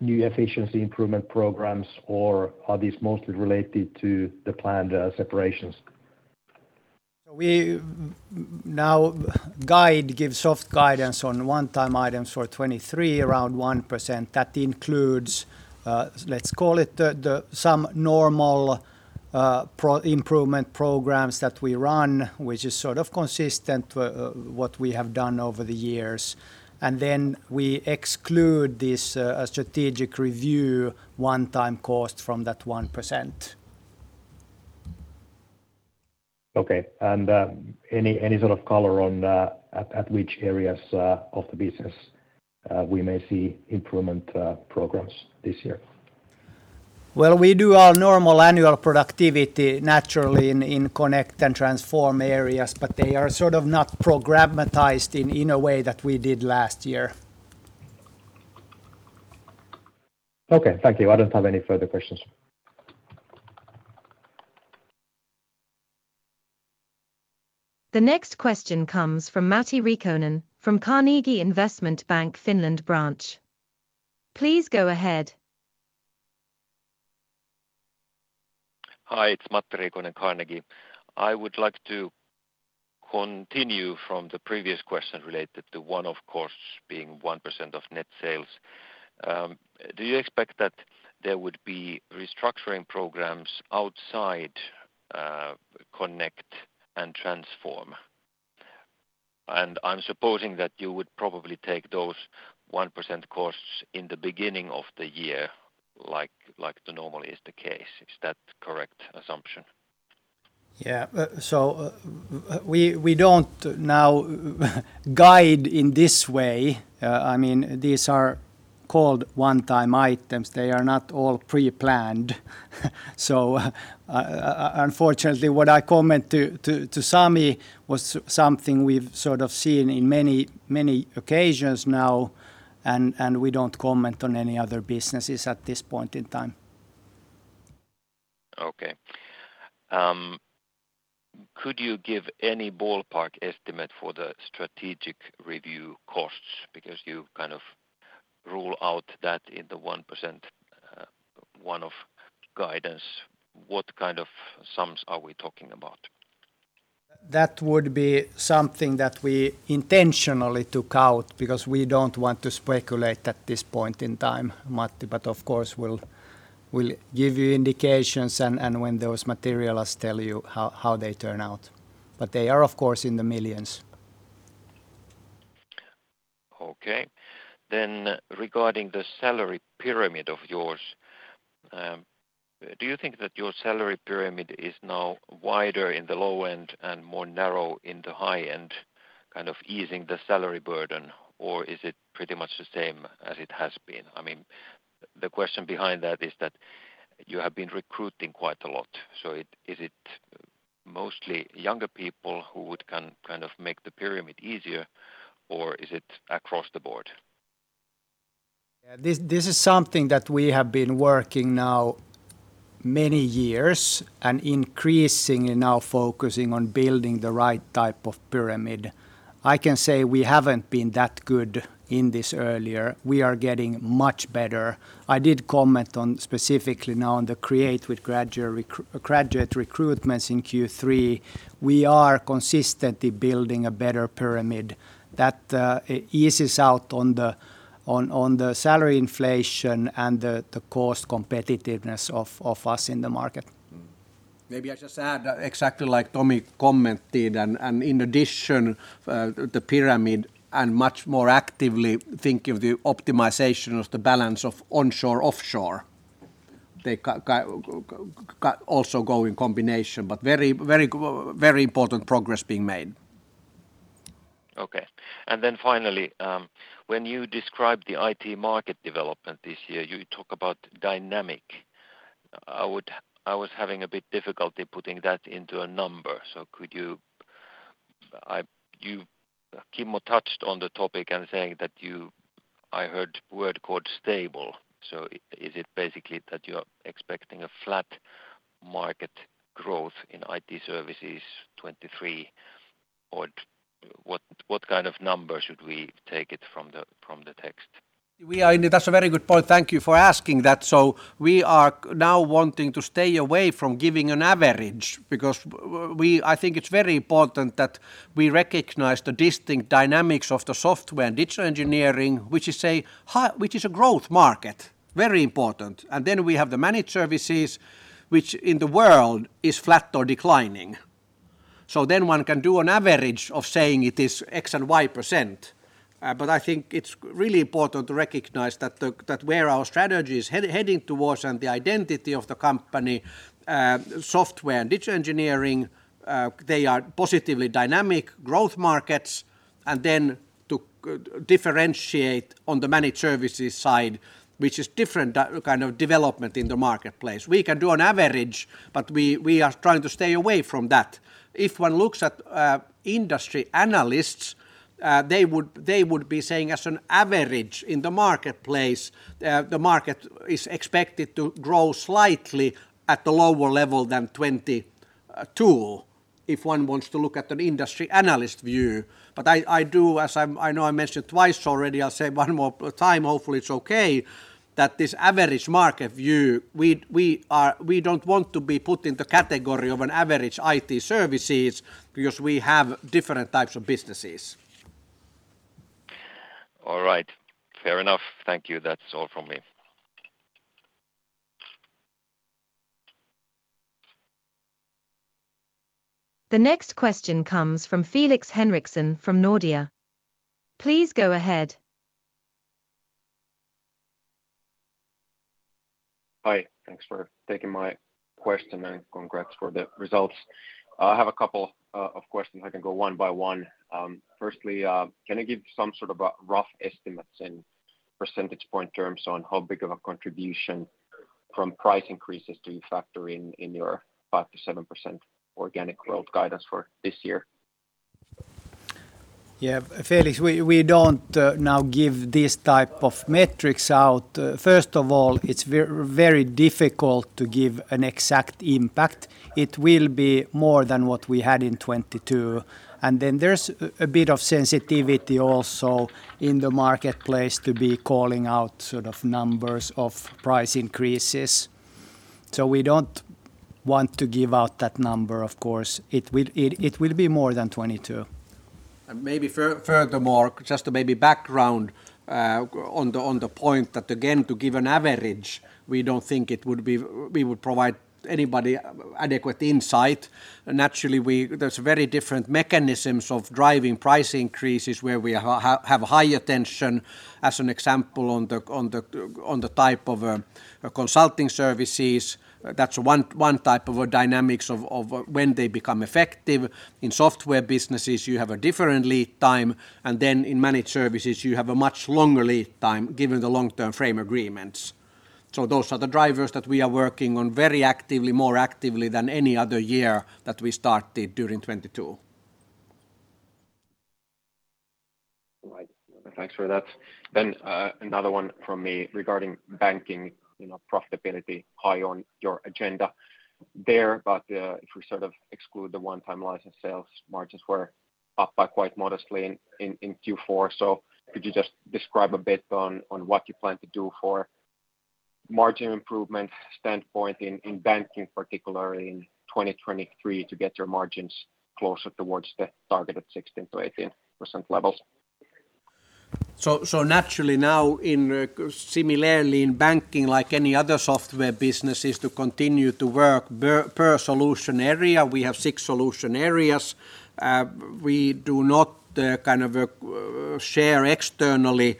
new efficiency improvement programs or are these mostly related to the planned, separations? We now guide, give soft guidance on one-time items for 2023, around 1%. That includes, let's call it some normal pro-improvement programs that we run, which is sort of consistent with what we have done over the years. Then we exclude this strategic review one-time cost from that 1%. Okay. Any sort of color on at which areas of the business we may see improvement programs this year? Well, we do our normal annual productivity naturally in Connect and Transform areas, but they are sort of not programmatized in a way that we did last year. Okay. Thank you. I don't have any further questions. The next question comes from Matti Riikonen from Carnegie Investment Bank AB (Finland Branch). Please go ahead. Hi, it's Matti Riikonen, Carnegie. I would like to continue from the previous question related to one-off costs being 1% of net sales. Do you expect that there would be restructuring programs outside Connect and Transform? I'm supposing that you would probably take those 1% costs in the beginning of the year like normally is the case. Is that correct assumption? Yeah. We don't now guide in this way. I mean, these are called one-time items. They are not all pre-planned. Unfortunately, what I comment to Sami was something we've sort of seen in many occasions now, and we don't comment on any other businesses at this point in time. Okay. Could you give any ballpark estimate for the strategic review costs? You kind of rule out that in the 1% one-off guidance. What kind of sums are we talking about? That would be something that we intentionally took out because we don't want to speculate at this point in time, Matti, but of course we'll give you indications and when those materialize tell you how they turn out. But they are of course in the millions. Okay. Regarding the salary pyramid of yours, do you think that your salary pyramid is now wider in the low end and more narrow in the high end, kind of easing the salary burden, or is it pretty much the same as it has been? I mean, the question behind that is that you have been recruiting quite a lot, so is it mostly younger people who would kind of make the pyramid easier or is it across the board? Yeah. This is something that we have been working now many years and increasingly now focusing on building the right type of pyramid. I can say we haven't been that good in this earlier. We are getting much better. I did comment on, specifically now on the Create with graduate recruitments in Q3. We are consistently building a better pyramid that eases out on the salary inflation and the cost competitiveness of us in the market. Maybe I just add, exactly like Tomi commented and in addition, the pyramid and much more actively think of the optimization of the balance of onshore, offshore. They also go in combination, but very, very important progress being made. Finally, when you describe the IT market development this year, you talk about dynamic. I was having a bit difficulty putting that into a number. Could you, you, Kimmo touched on the topic and saying that you, I heard word called stable. Is it basically that you're expecting a flat market growth in IT services 2023, or what kind of number should we take it from the, from the text? We are. That's a very good point. Thank you for asking that. We are now wanting to stay away from giving an average because I think it's very important that we recognize the distinct dynamics of the software and digital engineering, which is a growth market, very important. We have the managed services, which in the world is flat or declining. One can do an average of saying it is X and Y %. I think it's really important to recognize that where our strategy is heading towards and the identity of the company, software and digital engineering, they are positively dynamic growth markets. To differentiate on the managed services side, which is different kind of development in the marketplace. We can do an average. We are trying to stay away from that. If one looks at industry analysts, they would be saying as an average in the marketplace, the market is expected to grow slightly at a lower level than 2022, if one wants to look at an industry analyst view. I know I mentioned twice already, I'll say one more time, hopefully it's okay, that this average market view, we don't want to be put in the category of an average IT services because we have different types of businesses. All right. Fair enough. Thank you. That's all from me. The next question comes from Felix Henriksson from Nordea. Please go ahead. Hi. Thanks for taking my question, and congrats for the results. I have a couple of questions. I can go one by one. Firstly, can you give some sort of a rough estimates in percentage point terms on how big of a contribution from price increases do you factor in your 5%-7% organic growth guidance for this year? Felix, we don't now give these type of metrics out. First of all, it's very difficult to give an exact impact. It will be more than what we had in 2022. There's a bit of sensitivity also in the marketplace to be calling out sort of numbers of price increases. We don't want to give out that number, of course. It will be more than 2022. Maybe furthermore, just to maybe background on the point that again, to give an average, we don't think it would be, we would provide anybody adequate insight. Naturally there's very different mechanisms of driving price increases where we have higher tension, as an example, on the type of consulting services. That's one type of a dynamics of when they become effective. In software businesses, you have a different lead time. Then in managed services, you have a much longer lead time given the long-term frame agreements. Those are the drivers that we are working on very actively, more actively than any other year that we started during 2022. All right. Thanks for that. Another one from me regarding banking, you know, profitability high on your agenda there. If we sort of exclude the one-time license sales, margins were up by quite modestly in Q4. Could you just describe a bit on what you plan to do for margin improvement standpoint in banking, particularly in 2023 to get your margins closer towards the target of 16%-18% levels? Naturally now in, similarly in banking like any other software business is to continue to work per solution area. We have six solution areas. We do not, kind of, share externally the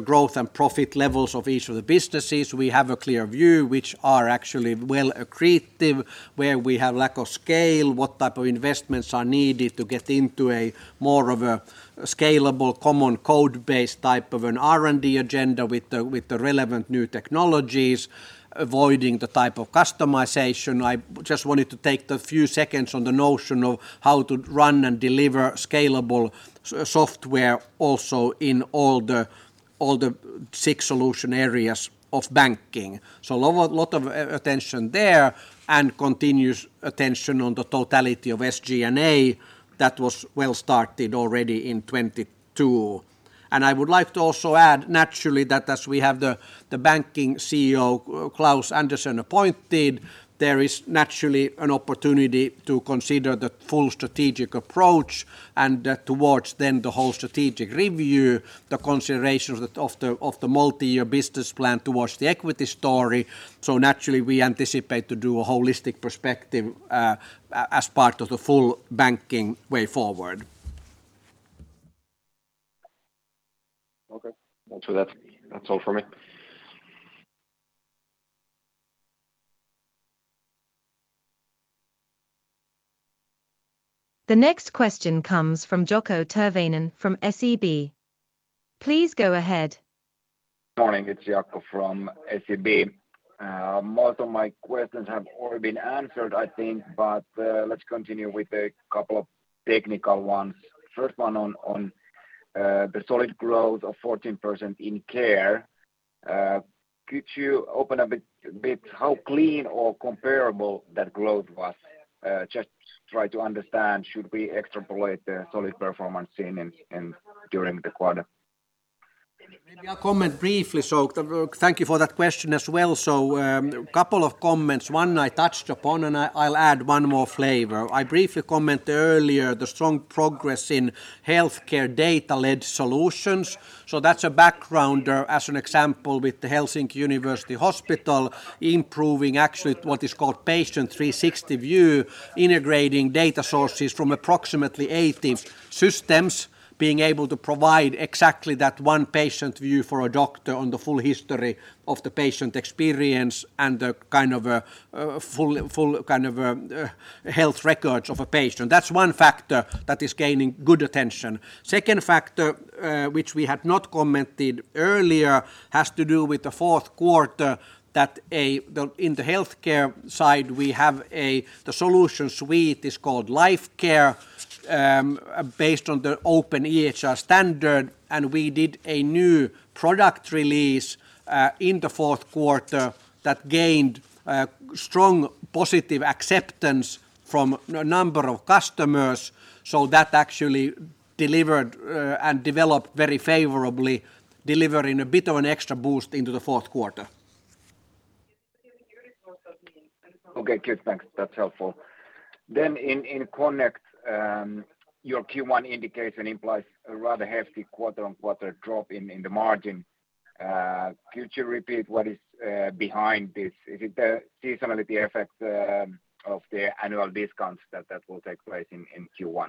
growth and profit levels of each of the businesses. We have a clear view which are actually well accretive, where we have lack of scale, what type of investments are needed to get into a more of a scalable common code base type of an R&D agenda with the relevant new technologies, avoiding the type of customization. I just wanted to take the few seconds on the notion of how to run and deliver scalable software also in all the six solution areas of banking. A lot of attention there and continuous attention on the totality of SG&A that was well started already in 2022. I would like to also add naturally that as we have the Banking CEO, Klaus Andersen appointed, there is naturally an opportunity to consider the full strategic approach towards the whole strategic review, the considerations of the multi-year business plan towards the equity story. Naturally, we anticipate to do a holistic perspective as part of the full banking way forward. Okay. Thanks for that. That's all for me. The next question comes from Jaakko Tyrväinen from SEB. Please go ahead. Morning. It's Jaakko from SEB. Most of my questions have already been answered I think, but let's continue with a couple of technical ones. First one on the solid growth of 14% in Tietoevry Care. Could you open a bit how clean or comparable that growth was? Just try to understand should we extrapolate the solid performance seen in during the quarter. Maybe I'll comment briefly. Thank you for that question as well. A couple of comments. One I touched upon, and I'll add one more flavor. I briefly comment earlier the strong progress in healthcare data-led solutions. That's a backgrounder as an example with the HUS Helsinki University Hospital improving actually what is called Patient 360 view, integrating data sources from approximately 80 systems, being able to provide exactly that one patient view for a doctor on the full history of the patient experience and the kind of, full kind of, health records of a patient. That's one factor that is gaining good attention. Second factor, which we had not commented earlier has to do with the fourth quarter that in the healthcare side, we have the solution suite is called Lifecare, based on the openEHR standard, and we did a new product release in the fourth quarter that gained strong positive acceptance from a number of customers. That actually delivered and developed very favorably, delivering a bit of an extra boost into the fourth quarter. Okay. Good. Thanks. That's helpful. In Connect, your Q1 indication implies a rather hefty quarter-on-quarter drop in the margin. Could you repeat what is behind this? Is it the seasonality effects of the annual discounts that will take place in Q1?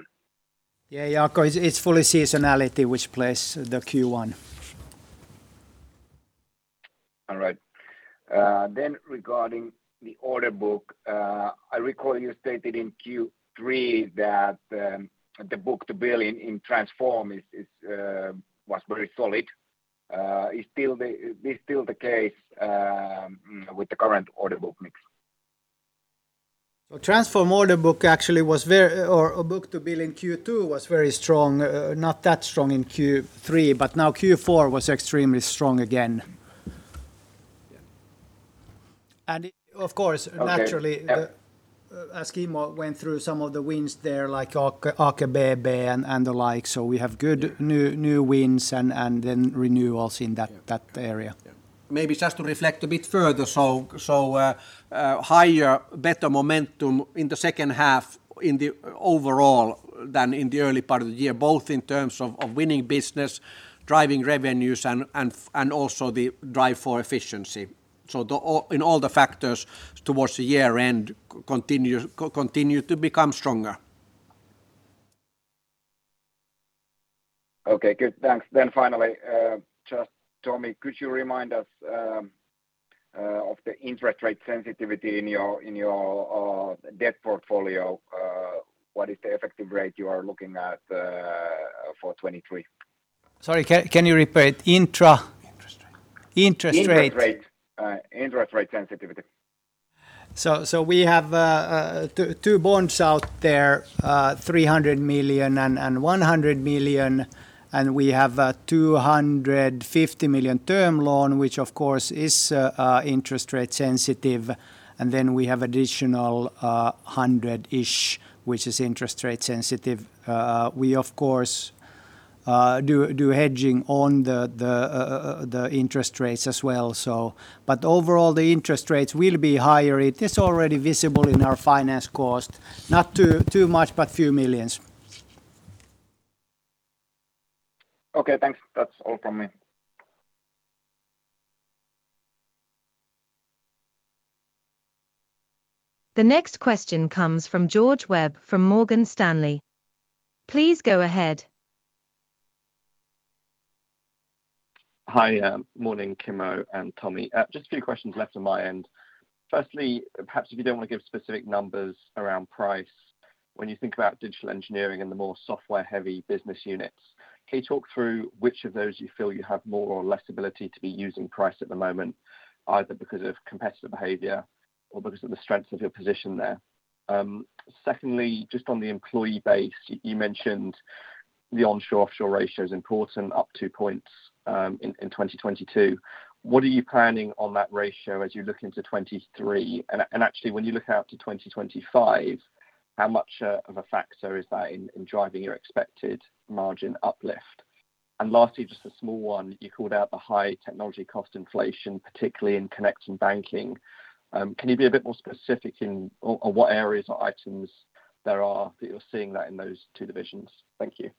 Yeah, Jaakko, it's fully seasonality which plays the Q1. All right. Regarding the order book, I recall you stated in Q3 that, the book-to-bill in Transform is, was very solid. Is still the case with the current order book mix? Transform order book actually was book-to-bill in Q2 was very strong. Not that strong in Q3, but now Q4 was extremely strong again. Yeah. Of course- Okay. Yeah. Naturally, as Kimmo went through some of the wins there, like Aker BP and the like, so we have good new wins and then renewals. Yeah. That area. Yeah. Maybe just to reflect a bit further, so, higher, better momentum in the second half in the overall than in the early part of the year, both in terms of winning business, driving revenues and also the drive for efficiency. In all the factors towards the year-end continue to become stronger. Okay. Good. Thanks. Finally, just Tommi, could you remind us of the interest rate sensitivity in your debt portfolio? What is the effective rate you are looking at for 2023? Sorry, can you repeat? Interest rate. Interest rate. Interest rate sensitivity. We have two bonds out there, 300 million and 100 million, and we have a 250 million term loan, which of course is interest rate sensitive, and then we have additional 100 million-ish, which is interest rate sensitive. We of course do hedging on the interest rates as well. Overall the interest rates will be higher. It is already visible in our finance cost. Not too much, but few million. Okay, thanks. That's all from me. The next question comes from George Webb from Morgan Stanley. Please go ahead. Hi. Morning, Kimmo and Tommi. Just a few questions left on my end. Firstly, perhaps if you don't want to give specific numbers around price, when you think about digital engineering and the more software-heavy business units, can you talk through which of those you feel you have more or less ability to be using price at the moment, either because of competitive behavior or because of the strength of your position there? Secondly, just on the employee base, you mentioned the onshore-offshore ratio is important, up 2 points in 2022. What are you planning on that ratio as you look into 2023? Actually when you look out to 2025, how much of a factor is that in driving your expected margin uplift? Lastly, just a small one. You called out the high technology cost inflation, particularly in Connect and Banking. Can you be a bit more specific in, on what areas or items there are that you're seeing that in those two divisions? Thank you.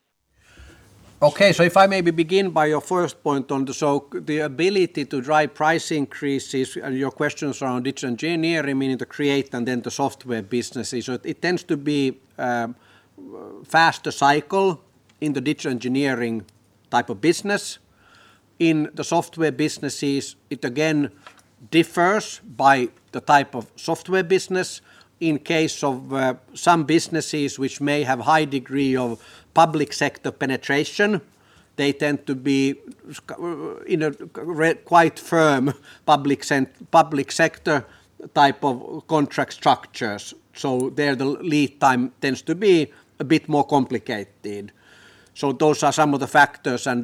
Okay. If I maybe begin by your first point on the ability to drive price increases, and your questions around digital engineering, meaning the Create and then the software businesses. It tends to be faster cycle in the digital engineering type of business. In the software businesses, it again differs by the type of software business. In case of some businesses which may have high degree of public sector penetration, they tend to be in a quite firm public sector type of contract structures. There the lead time tends to be a bit more complicated. Those are some of the factors. In some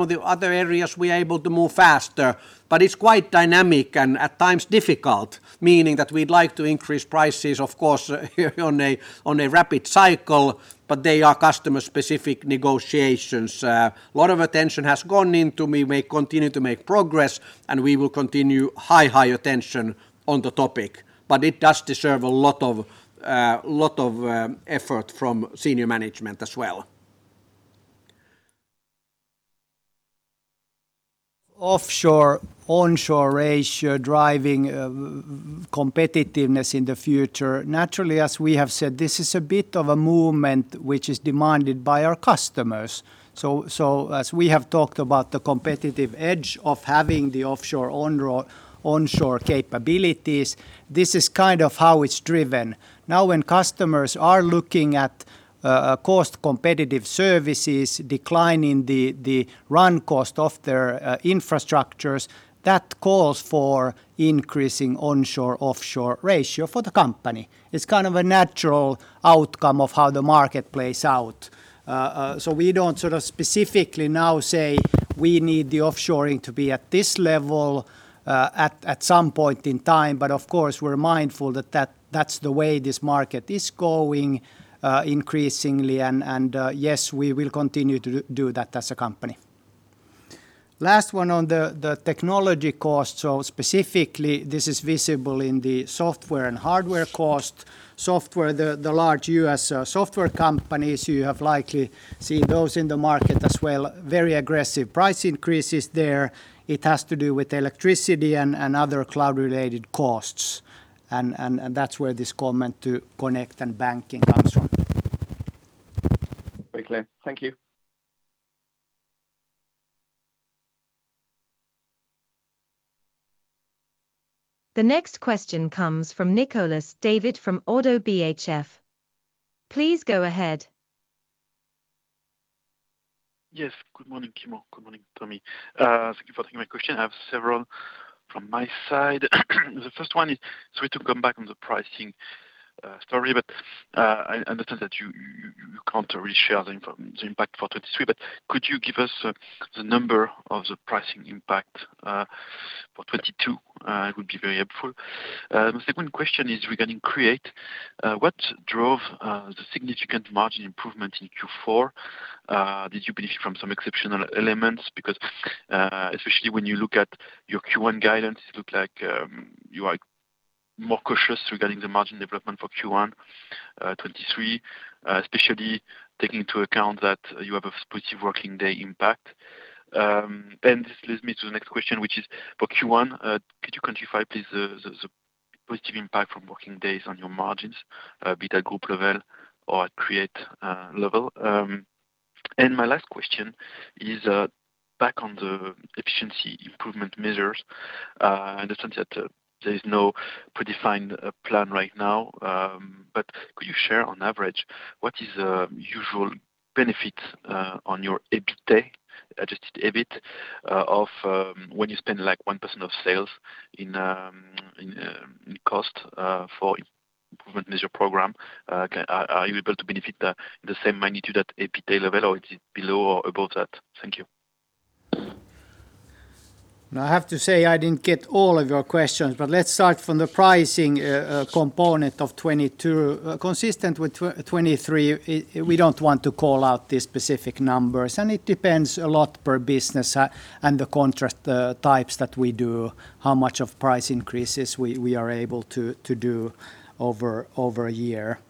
of the other areas, we are able to move faster, but it's quite dynamic and at times difficult, meaning that we'd like to increase prices, of course, here on a rapid cycle, but they are customer-specific negotiations. A lot of attention has gone into, we may continue to make progress, and we will continue high attention on the topic. It does deserve a lot of effort from senior management as well. Offshore/onshore ratio driving competitiveness in the future. Naturally, as we have said, this is a bit of a movement which is demanded by our customers. As we have talked about the competitive edge of having the offshore/onshore capabilities, this is kind of how it's driven. Now, when customers are looking at cost competitive services, declining the run cost of their infrastructures, that calls for increasing onshore/offshore ratio for the company. It's kind of a natural outcome of how the market plays out. So we don't sort of specifically now say we need the offshoring to be at this level at some point in time, but of course, we're mindful that that's the way this market is going increasingly and, yes, we will continue to do that as a company. Last one on the technology cost, so specifically this is visible in the software and hardware cost. Software, the large U.S. software companies, you have likely seen those in the market as well. Very aggressive price increases there. It has to do with electricity and other cloud-related costs, and that's where this comment to Connect and Banking comes from. Very clear. Thank you. The next question comes from Nicolas David from Oddo BHF. Please go ahead. Yes. Good morning, Kimmo. Good morning, Tommi. Thank you for taking my question. I have several from my side. The first one is, to come back on the pricing story, I understand that you can't really share the impact for 2023, but could you give us the number of the pricing impact for 2022? It would be very helpful. The second question is regarding Create. What drove the significant margin improvement in Q4? Did you benefit from some exceptional elements? Especially when you look at your Q1 guidance, it looks like you are more cautious regarding the margin development for Q1 2023, especially taking into account that you have a positive working day impact. This leads me to the next question, which is for Q1, could you quantify please the positive impact from working days on your margins, be it at group level or at Tietoevry Create level? My last question is back on the efficiency improvement measures. I understand that there is no predefined plan right now, could you share on average what is the usual benefit on your EBITDA, adjusted EBIT, of when you spend, like, 1% of sales in cost for improvement measure program? Are you able to benefit the same magnitude at EBITDA level or is it below or above that? Thank you. I have to say I didn't get all of your questions, but let's start from the pricing component of 2022. Consistent with 2023, we don't want to call out the specific numbers, and it depends a lot per business and the contract types that we do, how much of price increases we are able to do over a year.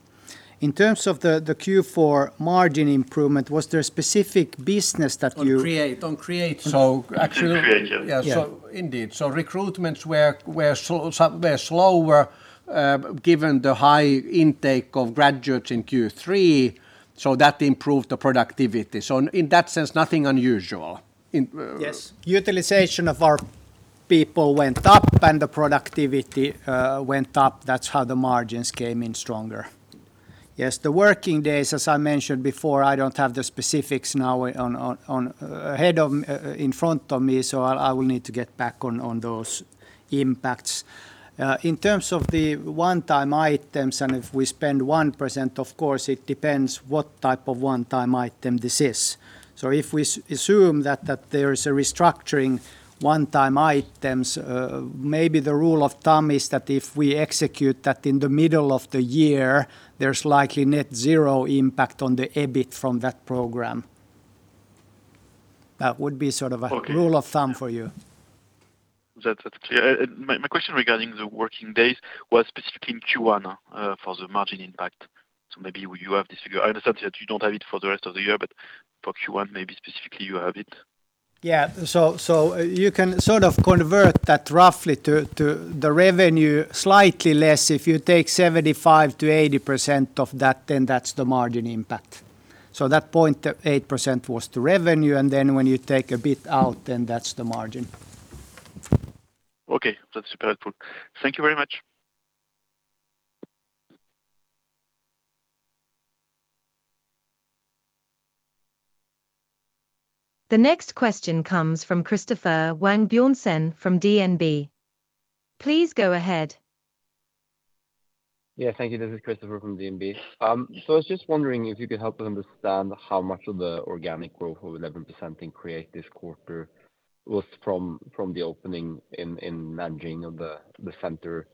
In terms of the Q4 margin improvement, was there a specific business that you- On Create. actually. In Create, yes. Yeah. Indeed. Recruitments were slow, were slower, given the high intake of graduates in Q3, that improved the productivity. In that sense, nothing unusual. Yes. Utilization of our people went up and the productivity went up. That's how the margins came in stronger. Yes, the working days, as I mentioned before, I don't have the specifics now on in front of me, so I will need to get back on those impacts. In terms of the one-time items, and if we spend 1%, of course, it depends what type of one-time item this is. If we assume that there is a restructuring one-time items, maybe the rule of thumb is that if we execute that in the middle of the year, there's likely net zero impact on the EBIT from that program. That would be sort of a- Okay. rule of thumb for you. That's clear. My question regarding the working days was specifically in Q1 for the margin impact. Maybe you have this figure. I understand that you don't have it for the rest of the year, but for Q1, maybe specifically you have it. Yeah. You can sort of convert that roughly to the revenue slightly less. If you take 75%-80% of that, then that's the margin impact. That 0.8% was the revenue, and then when you take a bit out, then that's the margin. Okay. That's helpful. Thank you very much. The next question comes from Christoffer Wang Bjørnsen from DNB. Please go ahead. Yeah, thank you. This is Christoffer from DNB. I was just wondering if you could help us understand how much of the organic growth of 11% in Create this quarter was from the opening in Nanjing of the center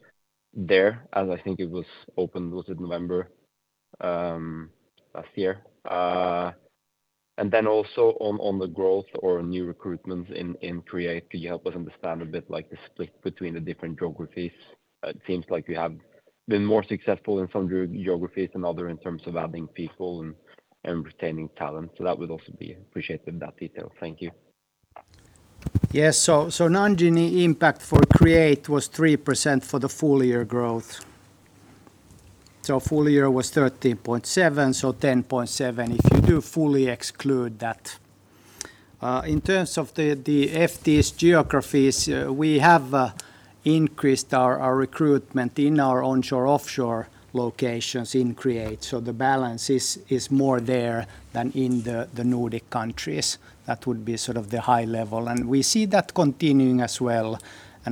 there, as I think it was opened was it November last year? Also on the growth or new recruitments in Create, could you help us understand a bit like the split between the different geographies? It seems like you have been more successful in some geographies than other in terms of adding people and retaining talent. That would also be appreciated, that detail. Thank you. Yes. Nanjing impact for Tietoevry Create was 3% for the full year growth. Full year was 13.7%, 10.7% if you do fully exclude that. In terms of the FTS geographies, we have increased our recruitment in our onshore, offshore locations in Tietoevry Create. The balance is more there than in the Nordic countries. That would be sort of the high level.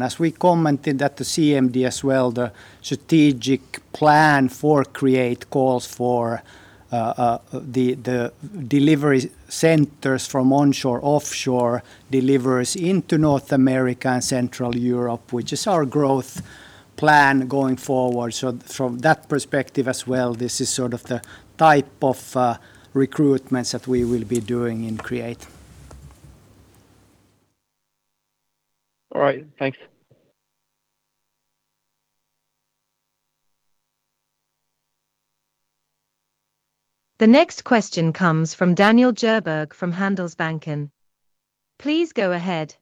As we commented at the CMD as well, the strategic plan for Tietoevry Create calls for the delivery centers from onshore, offshore deliveries into North America and Central Europe, which is our growth plan going forward. From that perspective as well, this is sort of the type of recruitments that we will be doing in Tietoevry Create. All right. Thanks. The next question comes from Daniel Djurberg from Handelsbanken. Please go ahead.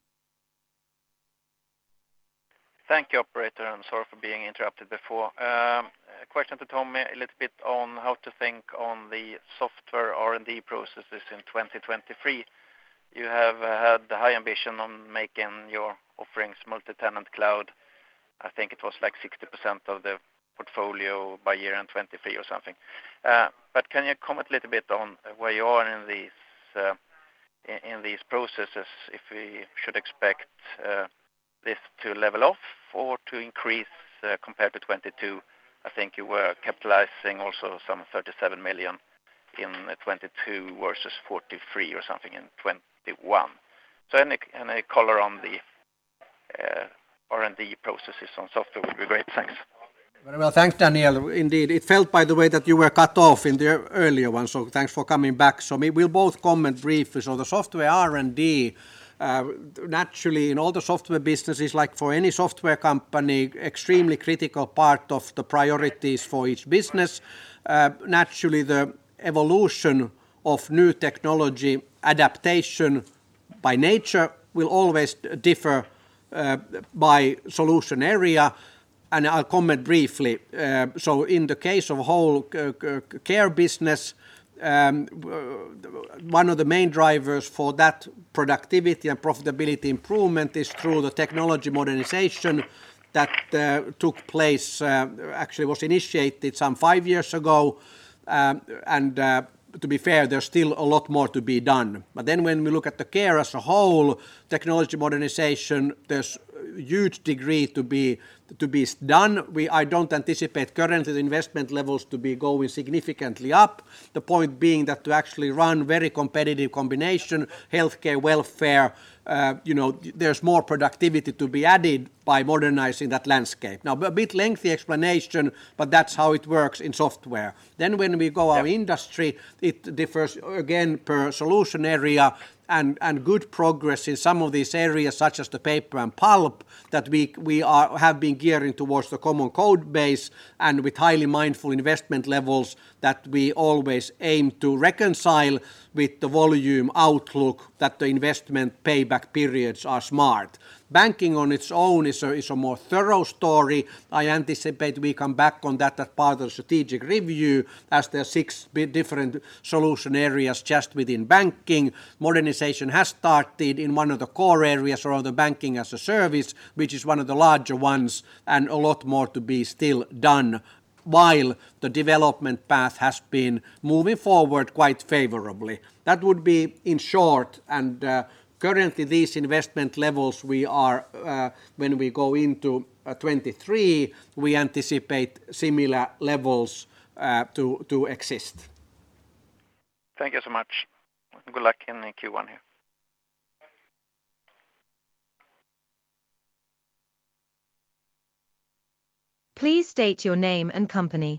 Thank you, operator, and sorry for being interrupted before. A question to Tom a little bit on how to think on the software R&D processes in 2023. You have had the high ambition on making your offerings multi-tenant cloud. I think it was like 60% of the portfolio by year end 2023 or something. Can you comment a little bit on where you are in these processes, if we should expect this to level off or to increase compared to 2022? I think you were capitalizing also some 37 million in 2022 versus 43 million or something in 2021. Any, any color on the R&D processes on software would be great. Thanks. Very well. Thanks, Daniel. Indeed. It felt, by the way, that you were cut off in the earlier one, so thanks for coming back. We'll both comment briefly. The software R&D, naturally in all the software businesses, like for any software company, extremely critical part of the priorities for each business. Naturally, the evolution of new technology adaptation by nature will always differ by solution area, and I'll comment briefly. In the case of whole Care business, one of the main drivers for that productivity and profitability improvement is through the technology modernization that took place, actually was initiated some five years ago. To be fair, there's still a lot more to be done. When we look at the Care as a whole technology modernization, there's huge degree to be done. I don't anticipate currently the investment levels to be going significantly up. The point being that to actually run very competitive combination healthcare, welfare, you know, there's more productivity to be added by modernizing that landscape. A bit lengthy explanation, but that's how it works in software. When we go our industry, it differs again per solution area and good progress in some of these areas, such as the paper and pulp that we have been gearing towards the common code base and with highly mindful investment levels that we always aim to reconcile with the volume outlook that the investment payback periods are smart. Banking on its own is a more thorough story. I anticipate we come back on that as part of the strategic review as there are 6 different solution areas just within banking. Modernization has started in one of the core areas around the Banking as a Service, which is one of the larger ones, and a lot more to be still done while the development path has been moving forward quite favorably. That would be in short. Currently these investment levels we are when we go into 2023, we anticipate similar levels to exist. Thank you so much. Good luck in the Q1 here. Please state your name and company.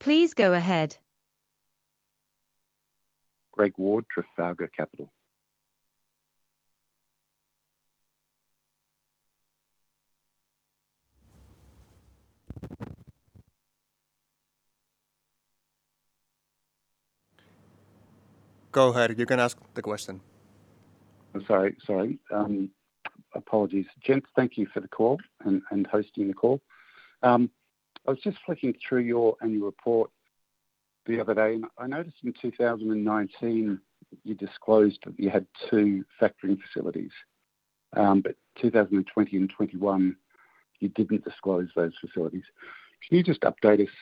Please go ahead. Greg Ward, Trafalgar Capital. Go ahead. You can ask the question. Sorry. Apologies. Gents, thank you for the call and hosting the call. I was just flicking through your annual report the other day, and I noticed in 2019 you disclosed that you had two factoring facilities. Two thousand and twenty and 2021, you didn't disclose those facilities. Can you just update us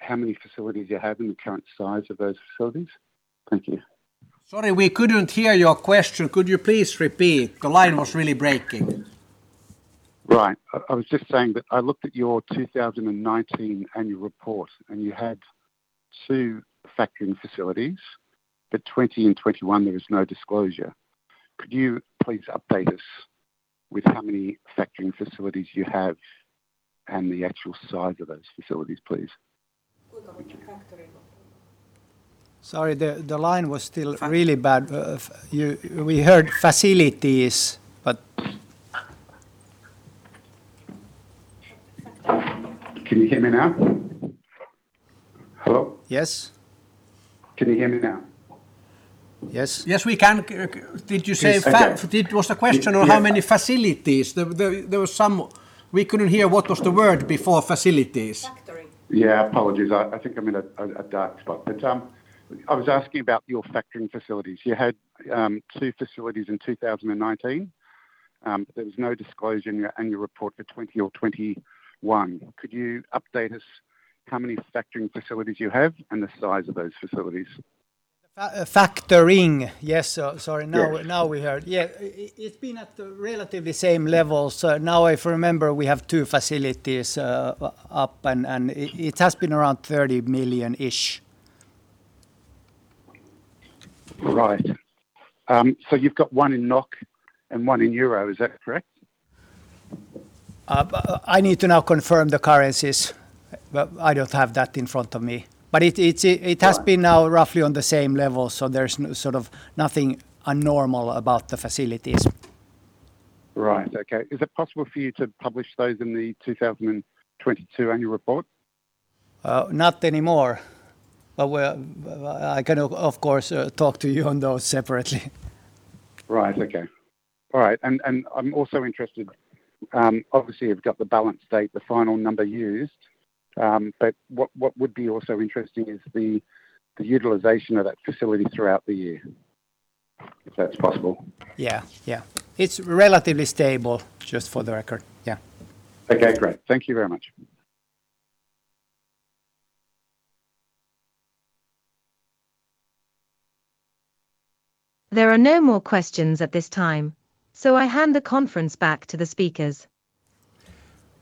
how many facilities you have and the current size of those facilities? Thank you. Sorry, we couldn't hear your question. Could you please repeat? The line was really breaking. Right. I was just saying that I looked at your 2019 annual report, and you had two factoring facilities, but 2020 and 2021, there is no disclosure. Could you please update us with how many factoring facilities you have and the actual size of those facilities, please? factory. Sorry, the line was still really bad. We heard facilities, but... Can you hear me now? Hello? Yes. Can you hear me now? Yes. Yes, we can. Can... Did you say? It was a question on how many facilities. There were some... We couldn't hear what was the word before facilities. Factory. Yeah, apologies. I think I'm in a dark spot. I was asking about your factoring facilities. You had two facilities in 2019, there was no disclosure in your annual report for 2020 or 2021. Could you update us how many factoring facilities you have and the size of those facilities? Factoring. Yes, sorry. Yeah. Now we heard. Yeah, it's been at the relatively same level. Now if I remember, we have two facilities up, and it has been around 30 million-ish. Right. You've got one in NOK and one in EUR. Is that correct? I need to now confirm the currencies, but I don't have that in front of me. It has been now roughly on the same level, so there's sort of nothing unnormal about the facilities. Right. Okay. Is it possible for you to publish those in the 2022 annual report? Not anymore. well, I can of course, talk to you on those separately. Right. Okay. All right. I'm also interested, obviously you've got the balance date, the final number used, but what would be also interesting is the utilization of that facility throughout the year, if that's possible? Yeah. Yeah. It's relatively stable, just for the record. Yeah. Okay. Great. Thank you very much. There are no more questions at this time, so I hand the conference back to the speakers.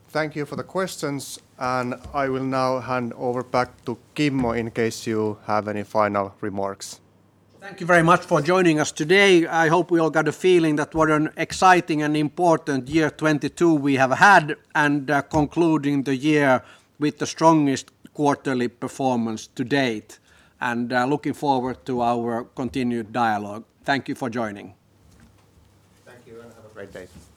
Thank you for the questions, and I will now hand over back to Kimmo in case you have any final remarks. Thank you very much for joining us today. I hope we all got a feeling that what an exciting and important year 2022 we have had, and concluding the year with the strongest quarterly performance to-date, and looking forward to our continued dialogue. Thank you for joining. Thank you, and have a great day.